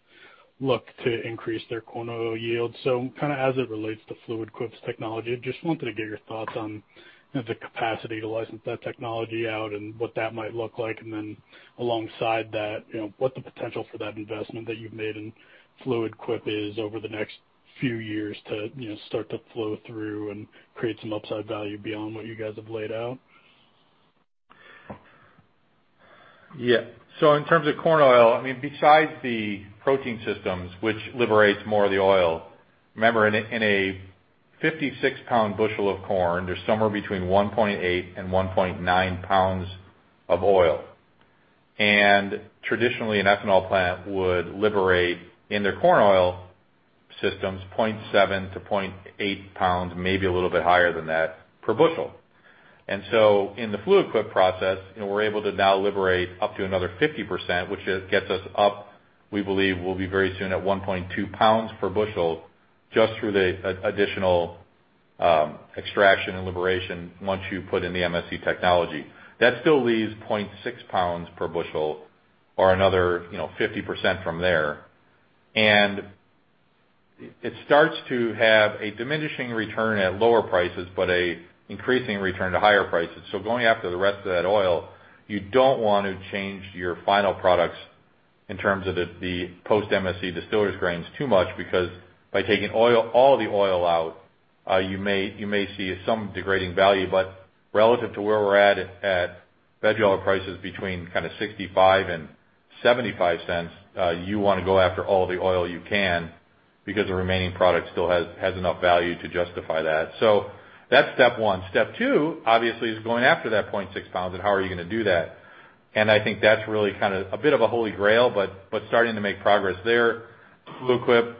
look to increase their corn oil yield. Kind of as it relates to Fluid Quip's technology, I just wanted to get your thoughts on the capacity to license that technology out and what that might look like. Alongside that, what the potential for that investment that you've made in Fluid Quip is over the next few years to start to flow through and create some upside value beyond what you guys have laid out. Yeah. In terms of corn oil, besides the protein systems, which liberates more of the oil, remember, in a 56 lb/bu of corn, there's somewhere between 1.8 lb and 1.9 lb of oil. Traditionally, an ethanol plant would liberate in their corn oil systems 0.7 lb-0.8 lb, maybe a little bit higher than that per bushel. In the Fluid Quip process, we're able to now liberate up to another 50%, which gets us up, we believe we'll be very soon at 1.2 lb/bu, just through the additional extraction and liberation once you put in the MSC technology. That still leaves 0.6 lb/bu or another 50% from there. It starts to have a diminishing return at lower prices, but an increasing return to higher prices. Going after the rest of that oil, you don't want to change your final products in terms of the post MSC distillers grains too much, because by taking all the oil out, you may see some degrading value. Relative to where we're at Fed dollar prices between kind of $0.65 and $0.75, you want to go after all the oil you can because the remaining product still has enough value to justify that. That's Step 1. Step 2, obviously, is going after that 0.6 lb, and how are you going to do that? I think that's really kind of a bit of a holy grail, but starting to make progress there. Fluid Quip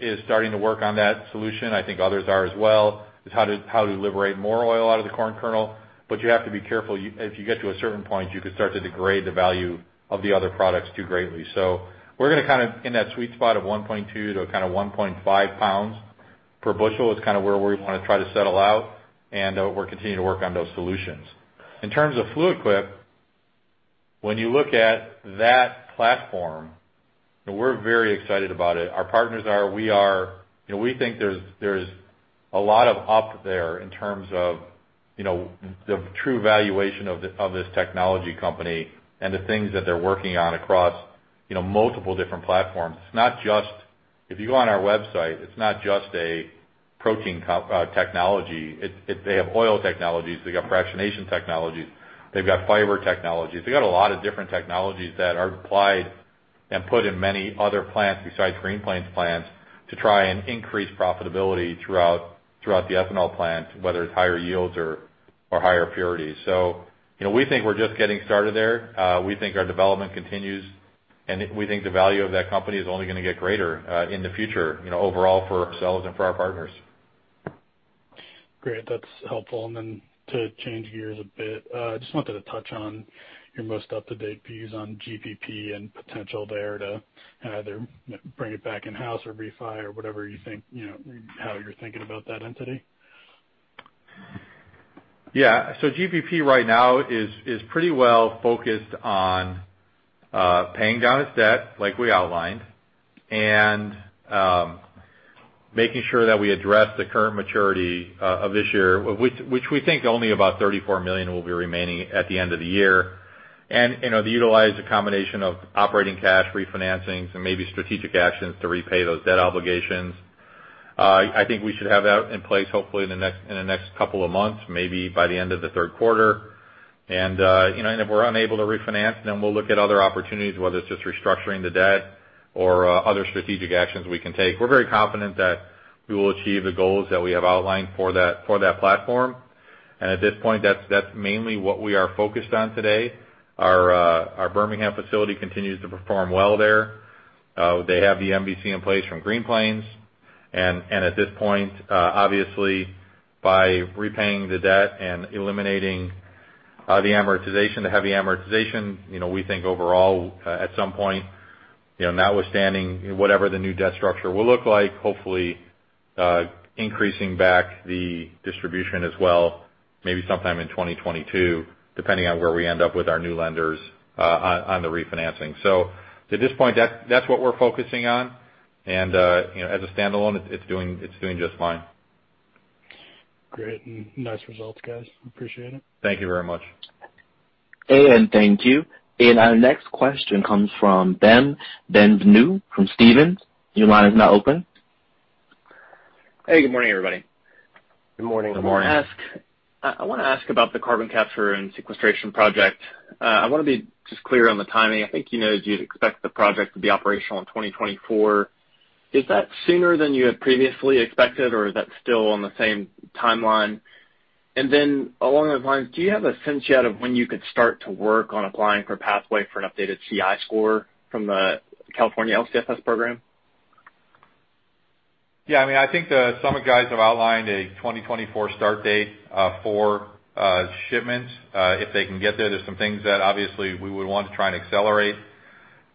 is starting to work on that solution. I think others are as well, is how to liberate more oil out of the corn kernel. You have to be careful. If you get to a certain point, you could start to degrade the value of the other products too greatly. We're going to kind of in that sweet spot of 1.2 lb/bu to kind of 1.5 lb/bu is kind of where we want to try to settle out, and we're continuing to work on those solutions. In terms of Fluid Quip, when you look at that platform, we're very excited about it. Our partners are, we are. We think there's a lot of up there in terms of the true valuation of this technology company and the things that they're working on across multiple different platforms. If you go on our website, it's not just a protein technology. They have oil technologies, they got fractionation technologies, they've got fiber technologies. They got a lot of different technologies that are applied and put in many other plants besides Green Plains plants to try and increase profitability throughout the ethanol plant, whether it's higher yields or higher purity. We think we're just getting started there. We think our development continues, and we think the value of that company is only going to get greater in the future overall for ourselves and for our partners. Great. That's helpful. To change gears a bit, I just wanted to touch on your most up-to-date views on GPP and potential there to either bring it back in-house or refi or whatever how you're thinking about that entity. GPP right now is pretty well focused on paying down its debt, like we outlined, and making sure that we address the current maturity of this year, which we think only about $34 million will be remaining at the end of the year. They utilize a combination of operating cash, refinancings, and maybe strategic actions to repay those debt obligations. I think we should have that in place hopefully in the next couple of months, maybe by the end of the third quarter. If we're unable to refinance, we'll look at other opportunities, whether it's just restructuring the debt or other strategic actions we can take. We're very confident that we will achieve the goals that we have outlined for that platform. At this point, that's mainly what we are focused on today. Our Birmingham facility continues to perform well there. They have the MVC in place from Green Plains, and at this point, obviously by repaying the debt and eliminating the heavy amortization, we think overall, at some point, notwithstanding whatever the new debt structure will look like, hopefully, increasing back the distribution as well, maybe sometime in 2022, depending on where we end up with our new lenders on the refinancing. To this point, that's what we're focusing on, and as a standalone, it's doing just fine. Great, nice results, guys. Appreciate it. Thank you very much. Thank you. Our next question comes from Ben Bienvenu from Stephens. Hey, good morning, everybody. Good morning. Good morning. I want to ask about the carbon capture and sequestration project. I want to be just clear on the timing. I think, you'd expect the project to be operational in 2024. Is that sooner than you had previously expected, or is that still on the same timeline? Along those lines, do you have a sense yet of when you could start to work on applying for pathway for an updated CI score from the California LCFS program? Yeah, I think the Summit guys have outlined a 2024 start date for shipments if they can get there. There's some things that obviously we would want to try and accelerate.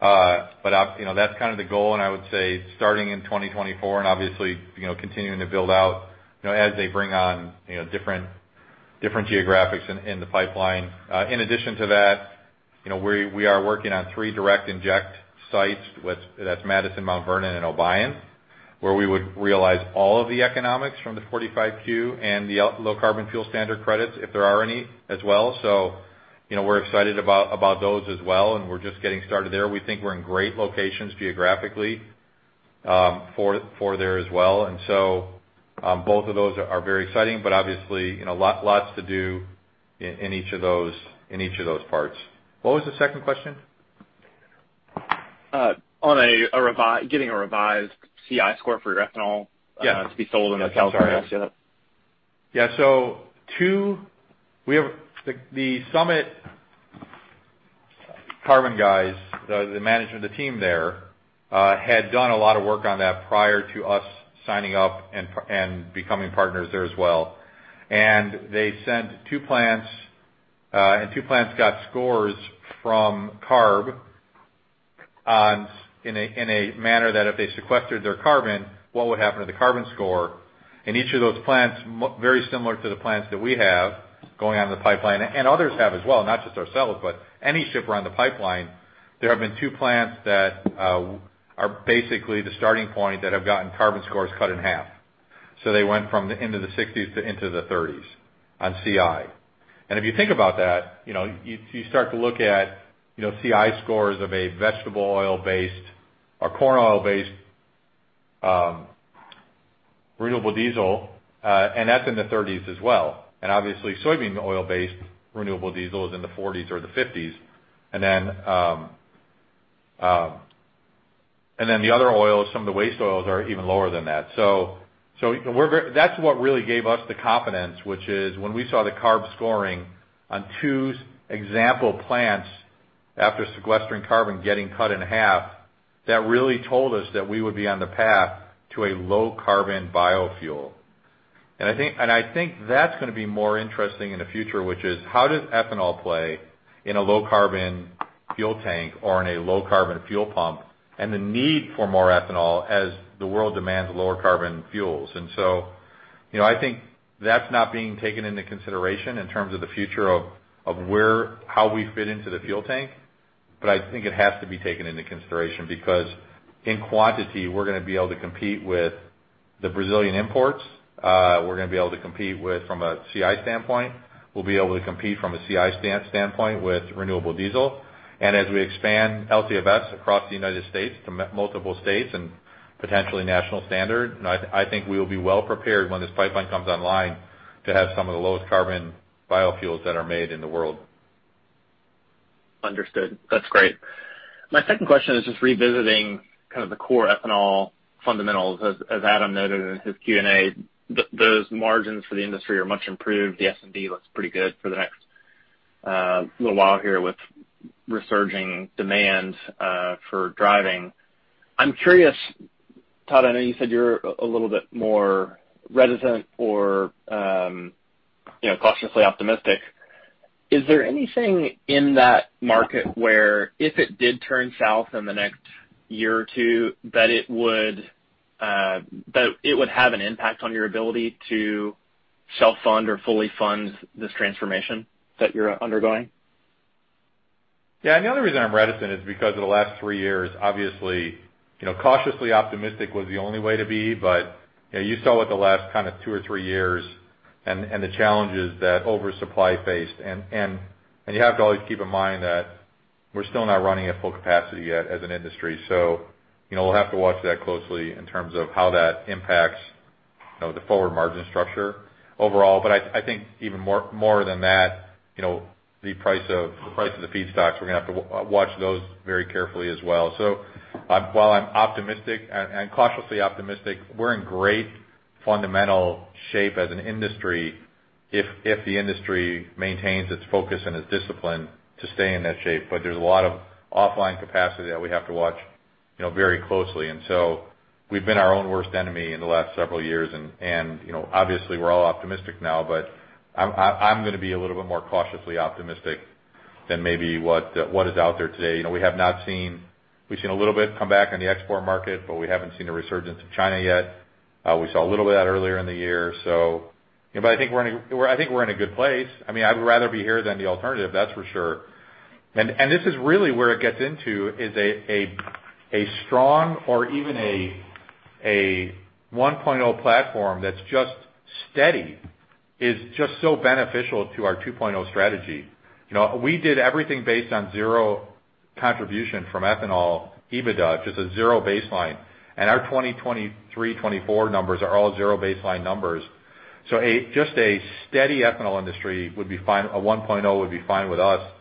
That's the goal, and I would say starting in 2024 and obviously continuing to build out as they bring on different geographics in the pipeline. In addition to that, we are working on three direct inject sites. That's Madison, Mount Vernon, and Obion, where we would realize all of the economics from the 45Q and the Low Carbon Fuel Standard credits if there are any as well. We're excited about those as well, and we're just getting started there. We think we're in great locations geographically for there as well. Both of those are very exciting, obviously lots to do in each of those parts. What was the second question? On getting a revised CI score for your ethanol- Yeah To be sold in California. I'm sorry. I see that. The Summit Carbon Solutions guys, the management team there, had done a lot of work on that prior to us signing up and becoming partners there as well. They sent two plants, and two plants got scores from CARB in a manner that if they sequestered their carbon, what would happen to the carbon score? Each of those plants, very similar to the plants that we have going on in the pipeline, and others have as well, not just ourselves, but any shipper on the pipeline. There have been two plants that are basically the starting point that have gotten carbon scores cut in half. They went from into the 60s to into the 30s on CI. If you think about that, you start to look at CI scores of a vegetable oil based or corn oil based renewable diesel, that's in the 30s as well. Obviously, soybean oil based renewable diesel is in the 40s or the 50s. Then the other oils, some of the waste oils are even lower than that. That's what really gave us the confidence, which is when we saw the CARB scoring on two example plants after sequestering carbon getting cut in half, that really told us that we would be on the path to a low carbon biofuel. I think that's going to be more interesting in the future, which is how does ethanol play in a low carbon fuel tank or in a low carbon fuel pump, and the need for more ethanol as the world demands lower carbon fuels. I think that's not being taken into consideration in terms of the future of how we fit into the fuel tank. I think it has to be taken into consideration because in quantity, we're going to be able to compete with the Brazilian imports. We're going to be able to compete from a CI standpoint. We'll be able to compete from a CI standpoint with renewable diesel. As we expand LCFS across the United States to multiple states and potentially national standard, I think we will be well prepared when this pipeline comes online to have some of the lowest carbon biofuels that are made in the world. Understood. That's great. My second question is just revisiting the core ethanol fundamentals. As Adam noted in his Q&A, those margins for the industry are much improved. The S&D looks pretty good for the next little while here with resurging demand for driving. I'm curious, Todd, I know you said you're a little bit more reticent or cautiously optimistic. Is there anything in that market where if it did turn south in the next year or two, that it would have an impact on your ability to self-fund or fully fund this transformation that you're undergoing? Yeah. The only reason I'm reticent is because of the last three years. Obviously, cautiously optimistic was the only way to be, but you saw what the last two or three years and the challenges that oversupply faced, and you have to always keep in mind that. We're still not running at full capacity yet as an industry. We'll have to watch that closely in terms of how that impacts the forward margin structure overall. I think even more than that, the price of the feedstocks, we're going to have to watch those very carefully as well. While I'm optimistic and cautiously optimistic, we're in great fundamental shape as an industry if the industry maintains its focus and its discipline to stay in that shape. There's a lot of offline capacity that we have to watch very closely. We've been our own worst enemy in the last several years, and obviously, we're all optimistic now, but I'm going to be a little bit more cautiously optimistic than maybe what is out there today. We've seen a little bit come back on the export market, but we haven't seen a resurgence in China yet. We saw a little bit of that earlier in the year. I think we're in a good place. I would rather be here than the alternative, that's for sure. This is really where it gets into, is a strong or even a 1.0 platform that's just steady is just so beneficial to our 2.0 strategy. We did everything based on zero contribution from ethanol EBITDA, just a zero baseline. Our 2023, 2024 numbers are all zero baseline numbers. Just a steady ethanol industry would be fine. A 1.0 would be fine with us.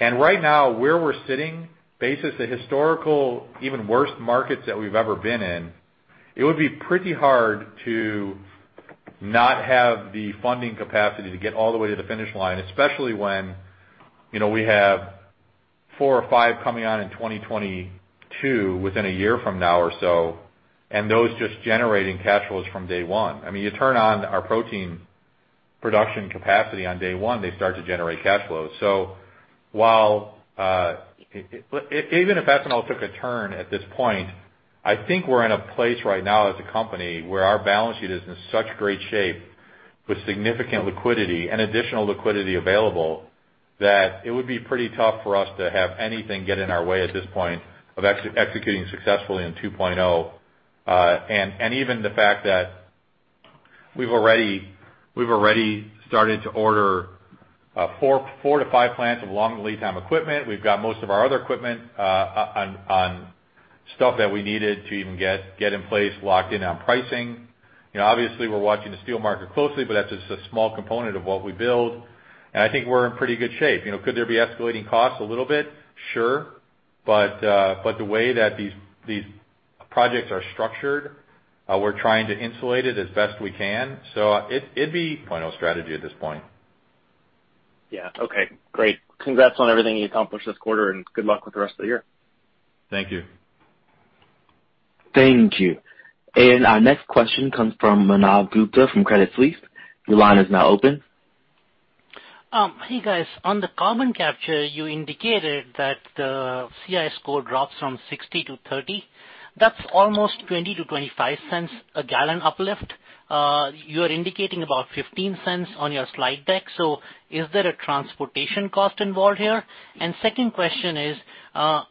Right now, where we're sitting, based as a historical, even worse markets that we've ever been in, it would be pretty hard to not have the funding capacity to get all the way to the finish line, especially when we have four or five coming on in 2022, within a year from now or so, and those just generating cash flows from day one. You turn on our protein production capacity on day one, they start to generate cash flows. Even if ethanol took a turn at this point, I think we're in a place right now as a company where our balance sheet is in such great shape with significant liquidity and additional liquidity available, that it would be pretty tough for us to have anything get in our way at this point of executing successfully on 2.0. Even the fact that we've already started to order four to five plants of long lead time equipment. We've got most of our other equipment on stuff that we needed to even get in place, locked in on pricing. Obviously, we're watching the steel market closely, but that's just a small component of what we build, and I think we're in pretty good shape. Could there be escalating costs a little bit? Sure. The way that these projects are structured, we're trying to insulate it as best we can. It'd be final strategy at this point. Yeah. Okay. Great. Congrats on everything you accomplished this quarter, and good luck with the rest of the year. Thank you. Thank you. Our next question comes from Manav Gupta from Credit Suisse. Your line is now open. Hey, guys. On the carbon capture, you indicated that the CI score drops from 60-30. That's almost $0.20-$0.25 a gallon uplift. You are indicating about $0.15 on your slide deck. Is there a transportation cost involved here? Second question is,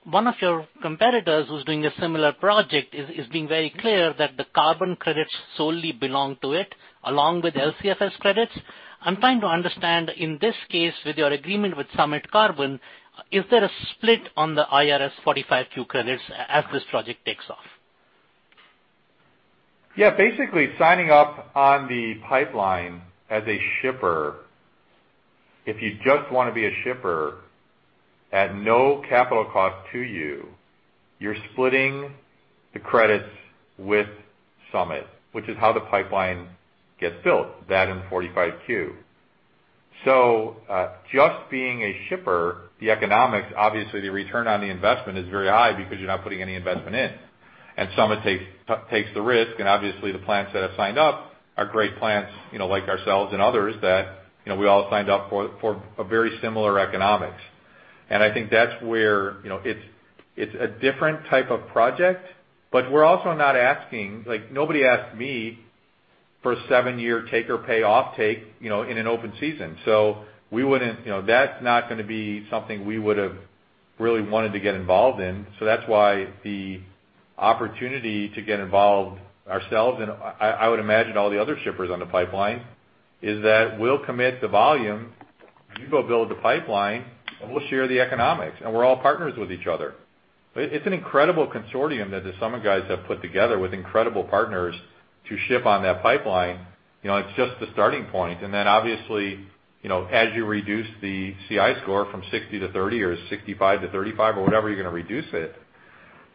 one of your competitors who's doing a similar project is being very clear that the carbon credits solely belong to it, along with LCFS credits. I'm trying to understand, in this case, with your agreement with Summit Carbon, is there a split on the IRS 45Q credits as this project takes off? Basically, signing up on the pipeline as a shipper, if you just want to be a shipper at no capital cost to you're splitting the credits with Summit, which is how the pipeline gets built, that and 45Q. Just being a shipper, the economics, obviously, the return on the investment is very high because you're not putting any investment in, and Summit takes the risk, and obviously the plants that have signed up are great plants like ourselves and others that we all signed up for a very similar economics. I think that's where it's a different type of project, but we're also not asking, like, nobody asked me for a seven-year take or pay off-take in an open season. That's not going to be something we would have really wanted to get involved in. That's why the opportunity to get involved ourselves, and I would imagine all the other shippers on the pipeline, is that we'll commit the volume, you go build the pipeline, and we'll share the economics, and we're all partners with each other. It's an incredible consortium that the Summit guys have put together with incredible partners to ship on that pipeline. It's just the starting point. Obviously, as you reduce the CI score from 60-30 or 65-35 or whatever you're going to reduce it,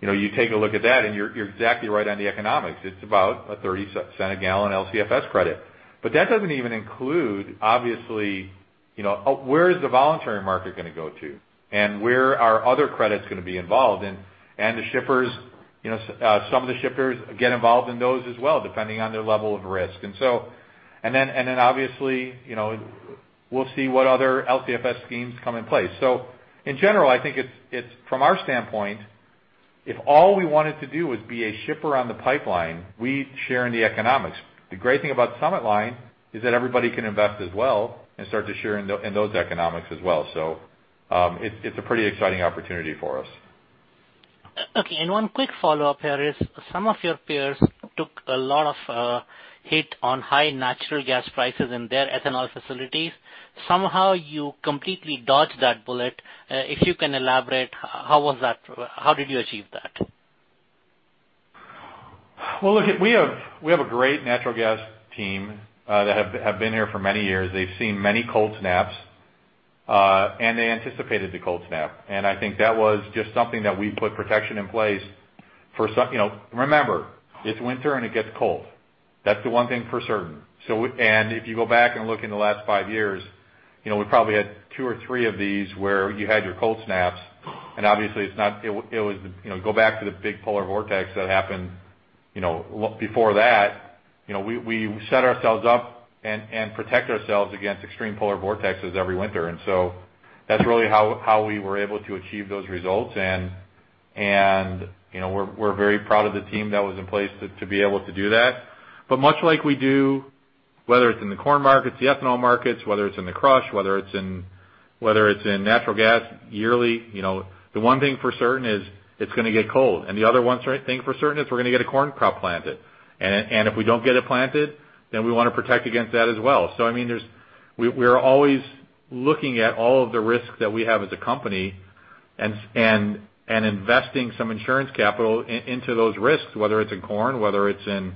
you take a look at that, and you're exactly right on the economics. It's about a $0.30 a gallon LCFS credit. That doesn't even include, obviously, where is the voluntary market going to go to? Where are other credits going to be involved in? Some of the shippers get involved in those as well, depending on their level of risk. Then obviously, we'll see what other LCFS schemes come in place. In general, I think from our standpoint, if all we wanted to do was be a shipper on the pipeline, we'd share in the economics. The great thing about Summit line is that everybody can invest as well and start to share in those economics as well. It's a pretty exciting opportunity for us. Okay, one quick follow-up here is, some of your peers took a lot of hit on high natural gas prices in their ethanol facilities. Somehow you completely dodged that bullet. If you can elaborate, how did you achieve that? Well, look, we have a great natural gas team that have been here for many years. They've seen many cold snaps, and they anticipated the cold snap. I think that was just something that we put protection in place. Remember, it's winter and it gets cold. That's the one thing for certain. If you go back and look in the last five years, we probably had two or three of these where you had your cold snaps and obviously go back to the big polar vortex that happened before that. We set ourselves up and protect ourselves against extreme polar vortexes every winter, and so that's really how we were able to achieve those results. We're very proud of the team that was in place to be able to do that. Much like we do, whether it's in the corn markets, the ethanol markets, whether it's in the crush, whether it's in natural gas yearly. The one thing for certain is it's going to get cold. The other one thing for certain is we're going to get a corn crop planted. If we don't get it planted, then we want to protect against that as well. We are always looking at all of the risks that we have as a company and investing some insurance capital into those risks, whether it's in corn, whether it's in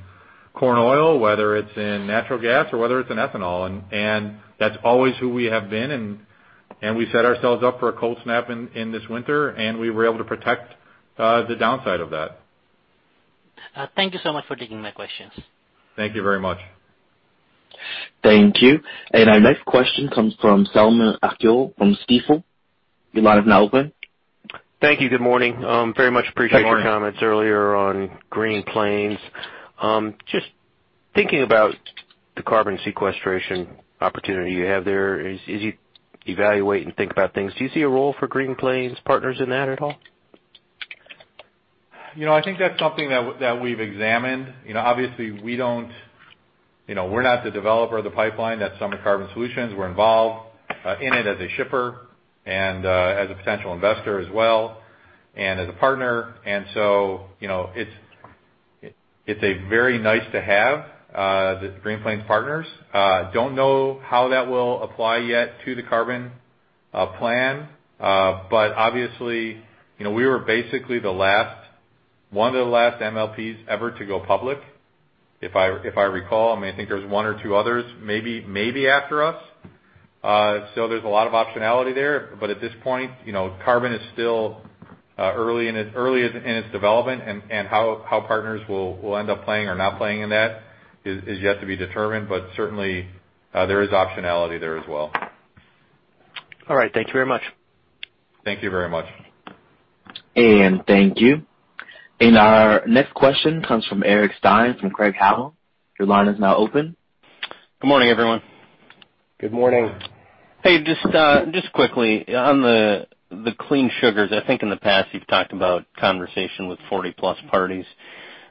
corn oil, whether it's in natural gas, or whether it's in ethanol. That's always who we have been, and we set ourselves up for a cold snap in this winter, and we were able to protect the downside of that. Thank you so much for taking my questions. Thank you very much. Thank you. Our next question comes from Selman Akyol from Stifel. Your line is now open. Thank you. Good morning. Very much appreciate your comments earlier on Green Plains. Just thinking about the carbon sequestration opportunity you have there, as you evaluate and think about things, do you see a role for Green Plains Partners in that at all? I think that's something that we've examined. Obviously, we're not the developer of the pipeline. That's Summit Carbon Solutions. We're involved in it as a shipper and as a potential investor as well, and as a partner. It's a very nice to have, the Green Plains Partners. Don't know how that will apply yet to the carbon plan. We were basically one of the last MLPs ever to go public, if I recall. I think there's one or two others, maybe after us. There's a lot of optionality there. Carbon is still early in its development and how partners will end up playing or not playing in that is yet to be determined. There is optionality there as well. All right. Thank you very much. Thank you very much. Thank you. Our next question comes from Eric Stine from Craig-Hallum. Your line is now open. Good morning, everyone. Good morning. Hey, just quickly on the Clean Sugars, I think in the past you've talked about conversation with 40+ parties.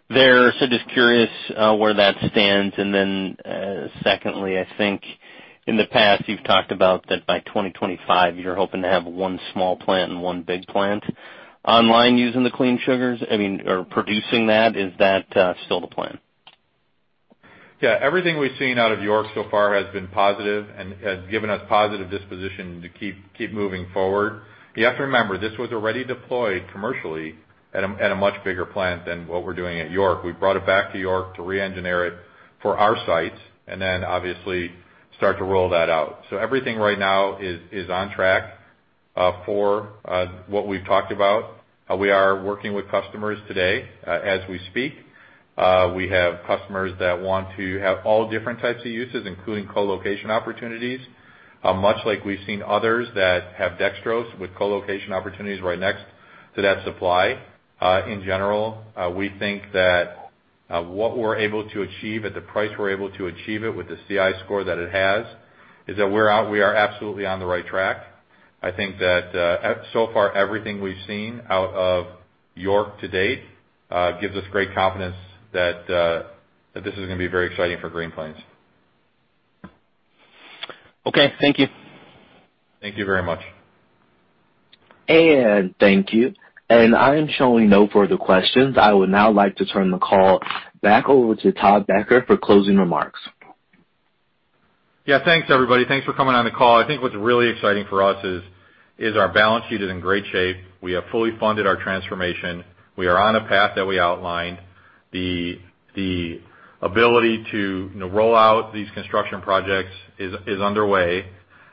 They're sort of curious where that stands. Secondly, I think in the past you've talked about that by 2025, you're hoping to have one small plant and one big plant online using the Clean Sugars or producing that. Is that still the plan? Everything we've seen out of York so far has been positive and has given us positive disposition to keep moving forward. You have to remember, this was already deployed commercially at a much bigger plant than what we're doing at York. We brought it back to York to re-engineer it for our sites and then obviously start to roll that out. Everything right now is on track for what we've talked about. We are working with customers today as we speak. We have customers that want to have all different types of uses, including co-location opportunities. Much like we've seen others that have dextrose with co-location opportunities right next to that supply. In general, we think that what we're able to achieve at the price we're able to achieve it with the CI score that it has is that we are absolutely on the right track. I think that so far everything we've seen out of York to date gives us great confidence that this is going to be very exciting for Green Plains. Okay. Thank you. Thank you very much. Thank you. I'm showing no further questions. I would now like to turn the call back over to Todd Becker for closing remarks. Yeah, thanks, everybody. Thanks for coming on the call. I think what's really exciting for us is our balance sheet is in great shape. We have fully funded our transformation. We are on a path that we outlined. The ability to roll out these construction projects is underway,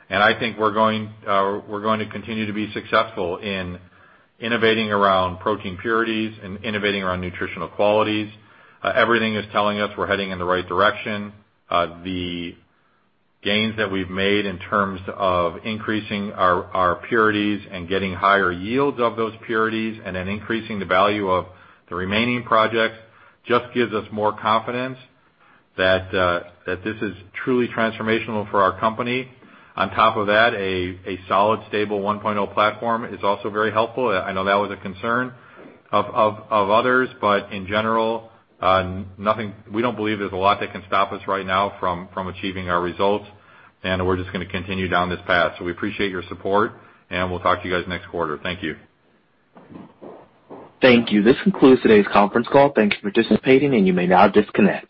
and I think we're going to continue to be successful in innovating around protein purities and innovating around nutritional qualities. Everything is telling us we're heading in the right direction. The gains that we've made in terms of increasing our purities and getting higher yields of those purities and then increasing the value of the remaining projects just gives us more confidence that this is truly transformational for our company. On top of that, a solid, stable 1.0 platform is also very helpful. I know that was a concern of others, in general, we don't believe there's a lot that can stop us right now from achieving our results, and we're just going to continue down this path. We appreciate your support, and we'll talk to you guys next quarter. Thank you. Thank you. This concludes today's conference call. Thank you for participating, and you may now disconnect.